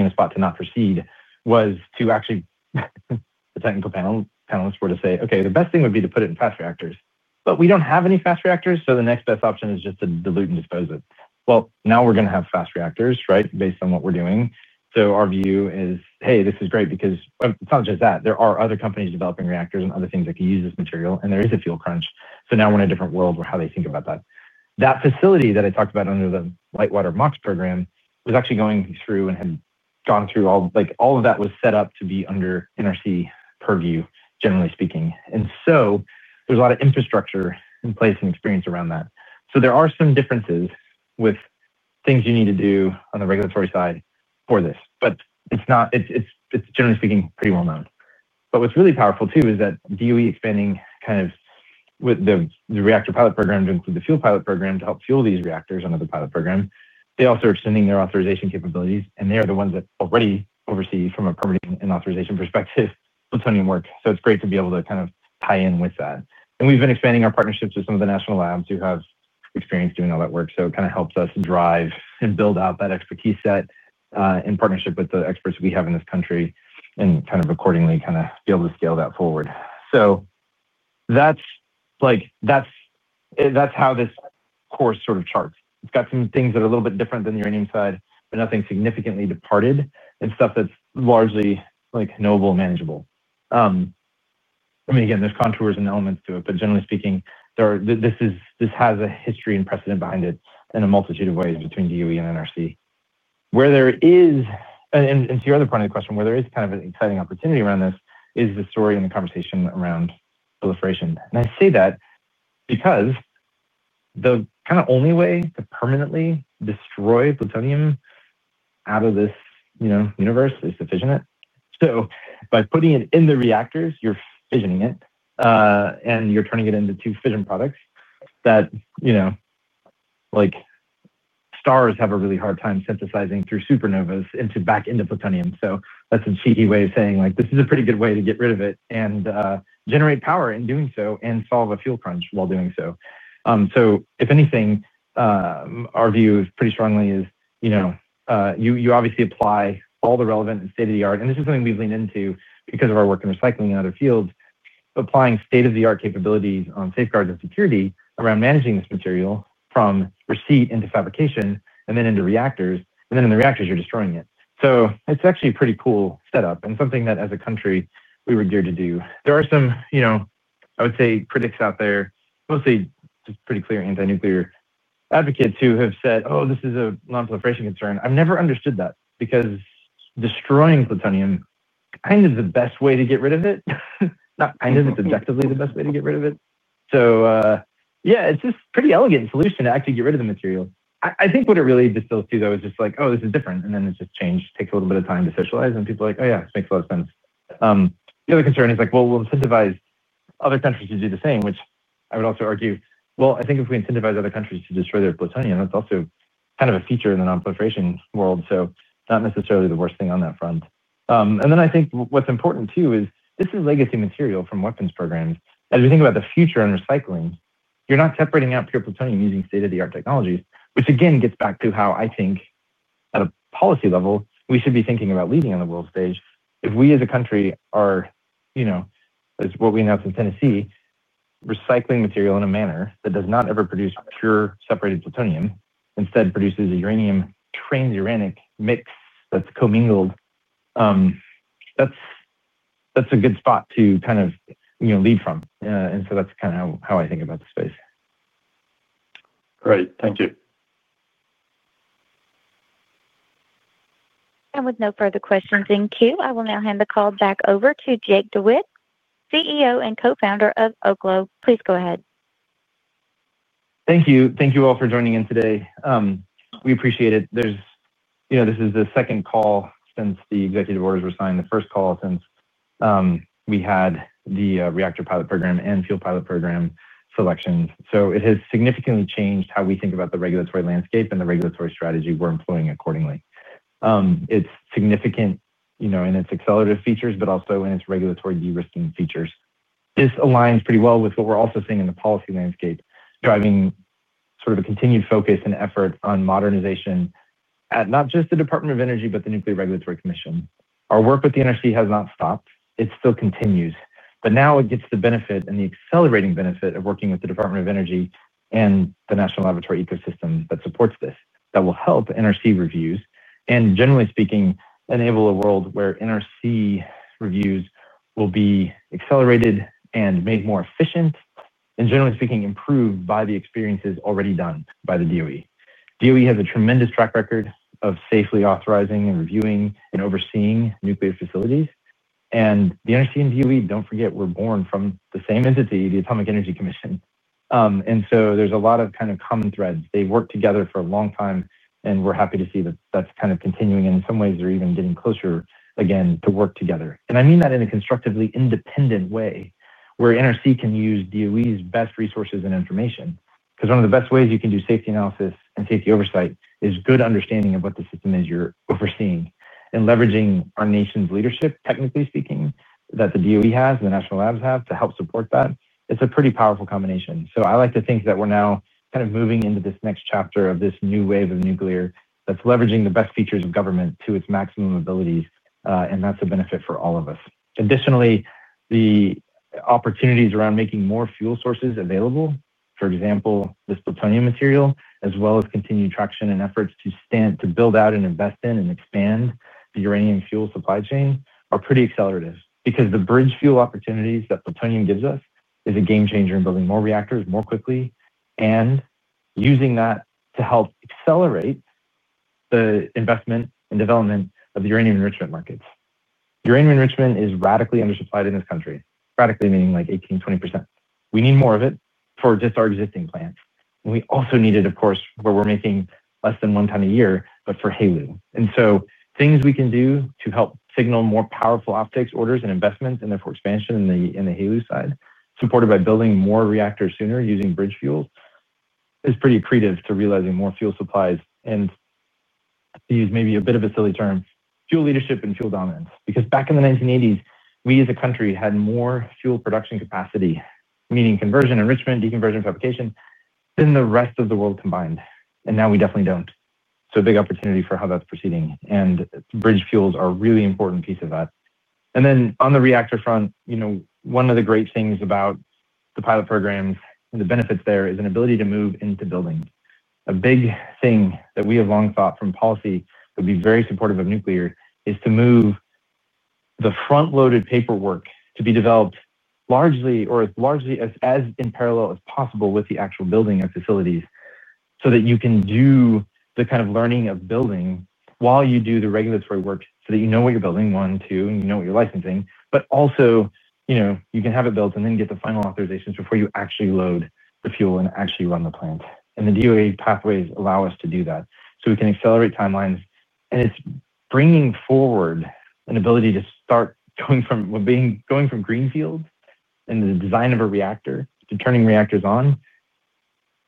in a spot to not proceed, was to actually, the technical panelists were to say, "Okay, the best thing would be to put it in fast reactors. We do not have any fast reactors, so the next best option is just to dilute and dispose of it." Now we are going to have fast reactors, right, based on what we are doing. Our view is, "Hey, this is great because." It's not just that. There are other companies developing reactors and other things that can use this material, and there is a fuel crunch. Now we're in a different world for how they think about that. That facility that I talked about under the light water MOX program was actually going through and had gone through all of that, was set up to be under NRC purview, generally speaking. There is a lot of infrastructure in place and experience around that. There are some differences with things you need to do on the regulatory side for this, but it's generally speaking pretty well known. What is really powerful too is that GEWE expanding kind of with the Reactor Pilot Program to include the Fuel Pilot Program to help fuel these reactors under the pilot program, they also are extending their authorization capabilities, and they are the ones that already oversee from a permitting and authorization perspective plutonium work. It is great to be able to kind of tie in with that. We have been expanding our partnerships with some of the national labs who have experience doing all that work. It kind of helps us drive and build out that expertise set in partnership with the experts we have in this country and kind of accordingly be able to scale that forward. That is how this course sort of charts. It's got some things that are a little bit different than the uranium side, but nothing significantly departed and stuff that's largely noble and manageable. I mean, again, there's contours and elements to it, but generally speaking, this has a history and precedent behind it in a multitude of ways between GEWE and NRC. To your other part of the question, where there is kind of an exciting opportunity around this is the story and the conversation around proliferation. I say that because the kind of only way to permanently destroy plutonium out of this universe is to fission it. By putting it in the reactors, you're fissioning it, and you're turning it into two fission products that stars have a really hard time synthesizing through supernovas back into plutonium. That's a cheeky way of saying, "This is a pretty good way to get rid of it and generate power in doing so and solve a fuel crunch while doing so." If anything, our view pretty strongly is you obviously apply all the relevant and state-of-the-art. This is something we've leaned into because of our work in recycling and other fields, applying state-of-the-art capabilities on safeguards and security around managing this material from receipt into fabrication and then into reactors, and then in the reactors, you're destroying it. It's actually a pretty cool setup and something that, as a country, we would dare to do. There are some, I would say, critics out there, mostly just pretty clear anti-nuclear advocates who have said, "Oh, this is a non-proliferation concern." I've never understood that because destroying plutonium kind of is the best way to get rid of it. Not kind of, it's objectively the best way to get rid of it. Yeah, it's just a pretty elegant solution to actually get rid of the material. I think what it really distills to, though, is just like, "Oh, this is different," and then it's just changed. It takes a little bit of time to socialize, and people are like, "Oh, yeah, it makes a lot of sense." The other concern is like, "Well, we'll incentivize other countries to do the same," which I would also argue, "I think if we incentivize other countries to destroy their plutonium, that's also kind of a feature in the non-proliferation world, so not necessarily the worst thing on that front." I think what's important too is this is legacy material from weapons programs. As we think about the future and recycling, you're not separating out pure plutonium using state-of-the-art technologies, which again gets back to how I think at a policy level we should be thinking about leading on the world stage. If we, as a country, are what we announced in Tennessee, recycling material in a manner that does not ever produce pure separated plutonium, instead produces a uranium-trained uranic mix that is commingled, that is a good spot to kind of lead from. That is kind of how I think about the space. Great. Thank you. With no further questions, thank you. I will now hand the call back over to Jake DeWitte, CEO and Co-Founder of Oklo. Please go ahead. Thank you. Thank you all for joining in today. We appreciate it. This is the second call since the executive orders were signed, the first call since we had the reactor pilot program and fuel pilot program selections. It has significantly changed how we think about the regulatory landscape and the regulatory strategy we are employing accordingly. It's significant in its accelerative features, but also in its regulatory derisking features. This aligns pretty well with what we're also seeing in the policy landscape, driving sort of a continued focus and effort on modernization at not just the Department of Energy, but the Nuclear Regulatory Commission. Our work with the NRC has not stopped. It still continues. Now it gets the benefit and the accelerating benefit of working with the Department of Energy and the national laboratory ecosystem that supports this, that will help NRC reviews and, generally speaking, enable a world where NRC reviews will be accelerated and made more efficient and, generally speaking, improved by the experiences already done by the AEC. AEC has a tremendous track record of safely authorizing and reviewing and overseeing nuclear facilities. The NRC and AEC, don't forget, were born from the same entity, the Atomic Energy Commission. There is a lot of kind of common threads. They have worked together for a long time, and we are happy to see that is kind of continuing. In some ways, they are even getting closer again to work together. I mean that in a constructively independent way where NRC can use GEWE's best resources and information. One of the best ways you can do safety analysis and safety oversight is good understanding of what the system is you are overseeing and leveraging our nation's leadership, technically speaking, that the GEWE has and the national labs have to help support that. It is a pretty powerful combination. I like to think that we are now kind of moving into this next chapter of this new wave of nuclear that is leveraging the best features of government to its maximum abilities, and that is a benefit for all of us. Additionally, the opportunities around making more fuel sources available, for example, this plutonium material, as well as continued traction and efforts to build out and invest in and expand the uranium fuel supply chain, are pretty accelerative because the bridge fuel opportunities that plutonium gives us is a game changer in building more reactors more quickly and using that to help accelerate the investment and development of the uranium enrichment markets. Uranium enrichment is radically undersupplied in this country, radically meaning like 18%-20%. We need more of it for just our existing plants. We also need it, of course, where we're making less than 1 ton a year, but for HALEU. Things we can do to help signal more powerful optics orders and investments and therefore expansion in the HALEU side, supported by building more reactors sooner using bridge fuels, is pretty creative to realizing more fuel supplies and use, maybe a bit of a silly term, fuel leadership and fuel dominance. Back in the 1980s, we as a country had more fuel production capacity, meaning conversion, enrichment, deconversion, fabrication, than the rest of the world combined. Now we definitely do not. A big opportunity for how that is proceeding. Bridge fuels are a really important piece of that. On the reactor front, one of the great things about the pilot programs and the benefits there is an ability to move into buildings. A big thing that we have long thought from policy would be very supportive of nuclear is to move the front-loaded paperwork to be developed largely or as in parallel as possible with the actual building and facilities so that you can do the kind of learning of building while you do the regulatory work so that you know what you're building, one, two, and you know what you're licensing, but also you can have it built and then get the final authorizations before you actually load the fuel and actually run the plant. The GEWE pathways allow us to do that. We can accelerate timelines. It is bringing forward an ability to start going from greenfield and the design of a reactor to turning reactors on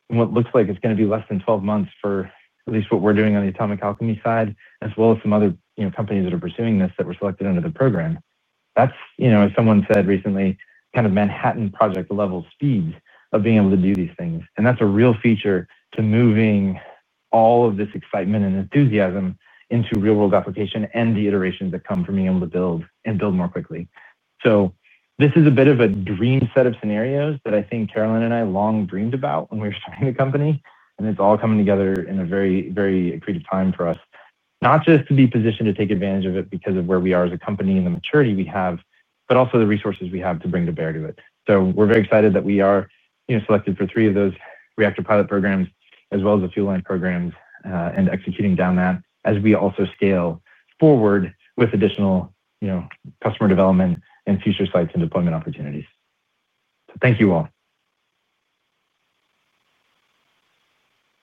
in what looks like it is going to be less than 12 months for at least what we are doing on the Atomic Alchemy side, as well as some other companies that are pursuing this that were selected under the program. That is, as someone said recently, kind of Manhattan Project-level speeds of being able to do these things. That is a real feature to moving all of this excitement and enthusiasm into real-world application and the iterations that come from being able to build and build more quickly. This is a bit of a dream set of scenarios that I think Carolyn and I long dreamed about when we were starting the company. It is all coming together in a very, very creative time for us, not just to be positioned to take advantage of it because of where we are as a company and the maturity we have, but also the resources we have to bring to bear to it. We are very excited that we are selected for three of those reactor pilot programs, as well as the fuel line programs and executing down that as we also scale forward with additional customer development and future sites and deployment opportunities. Thank you all.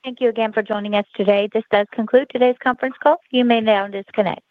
Thank you again for joining us today. This does conclude today's conference call. You may now disconnect.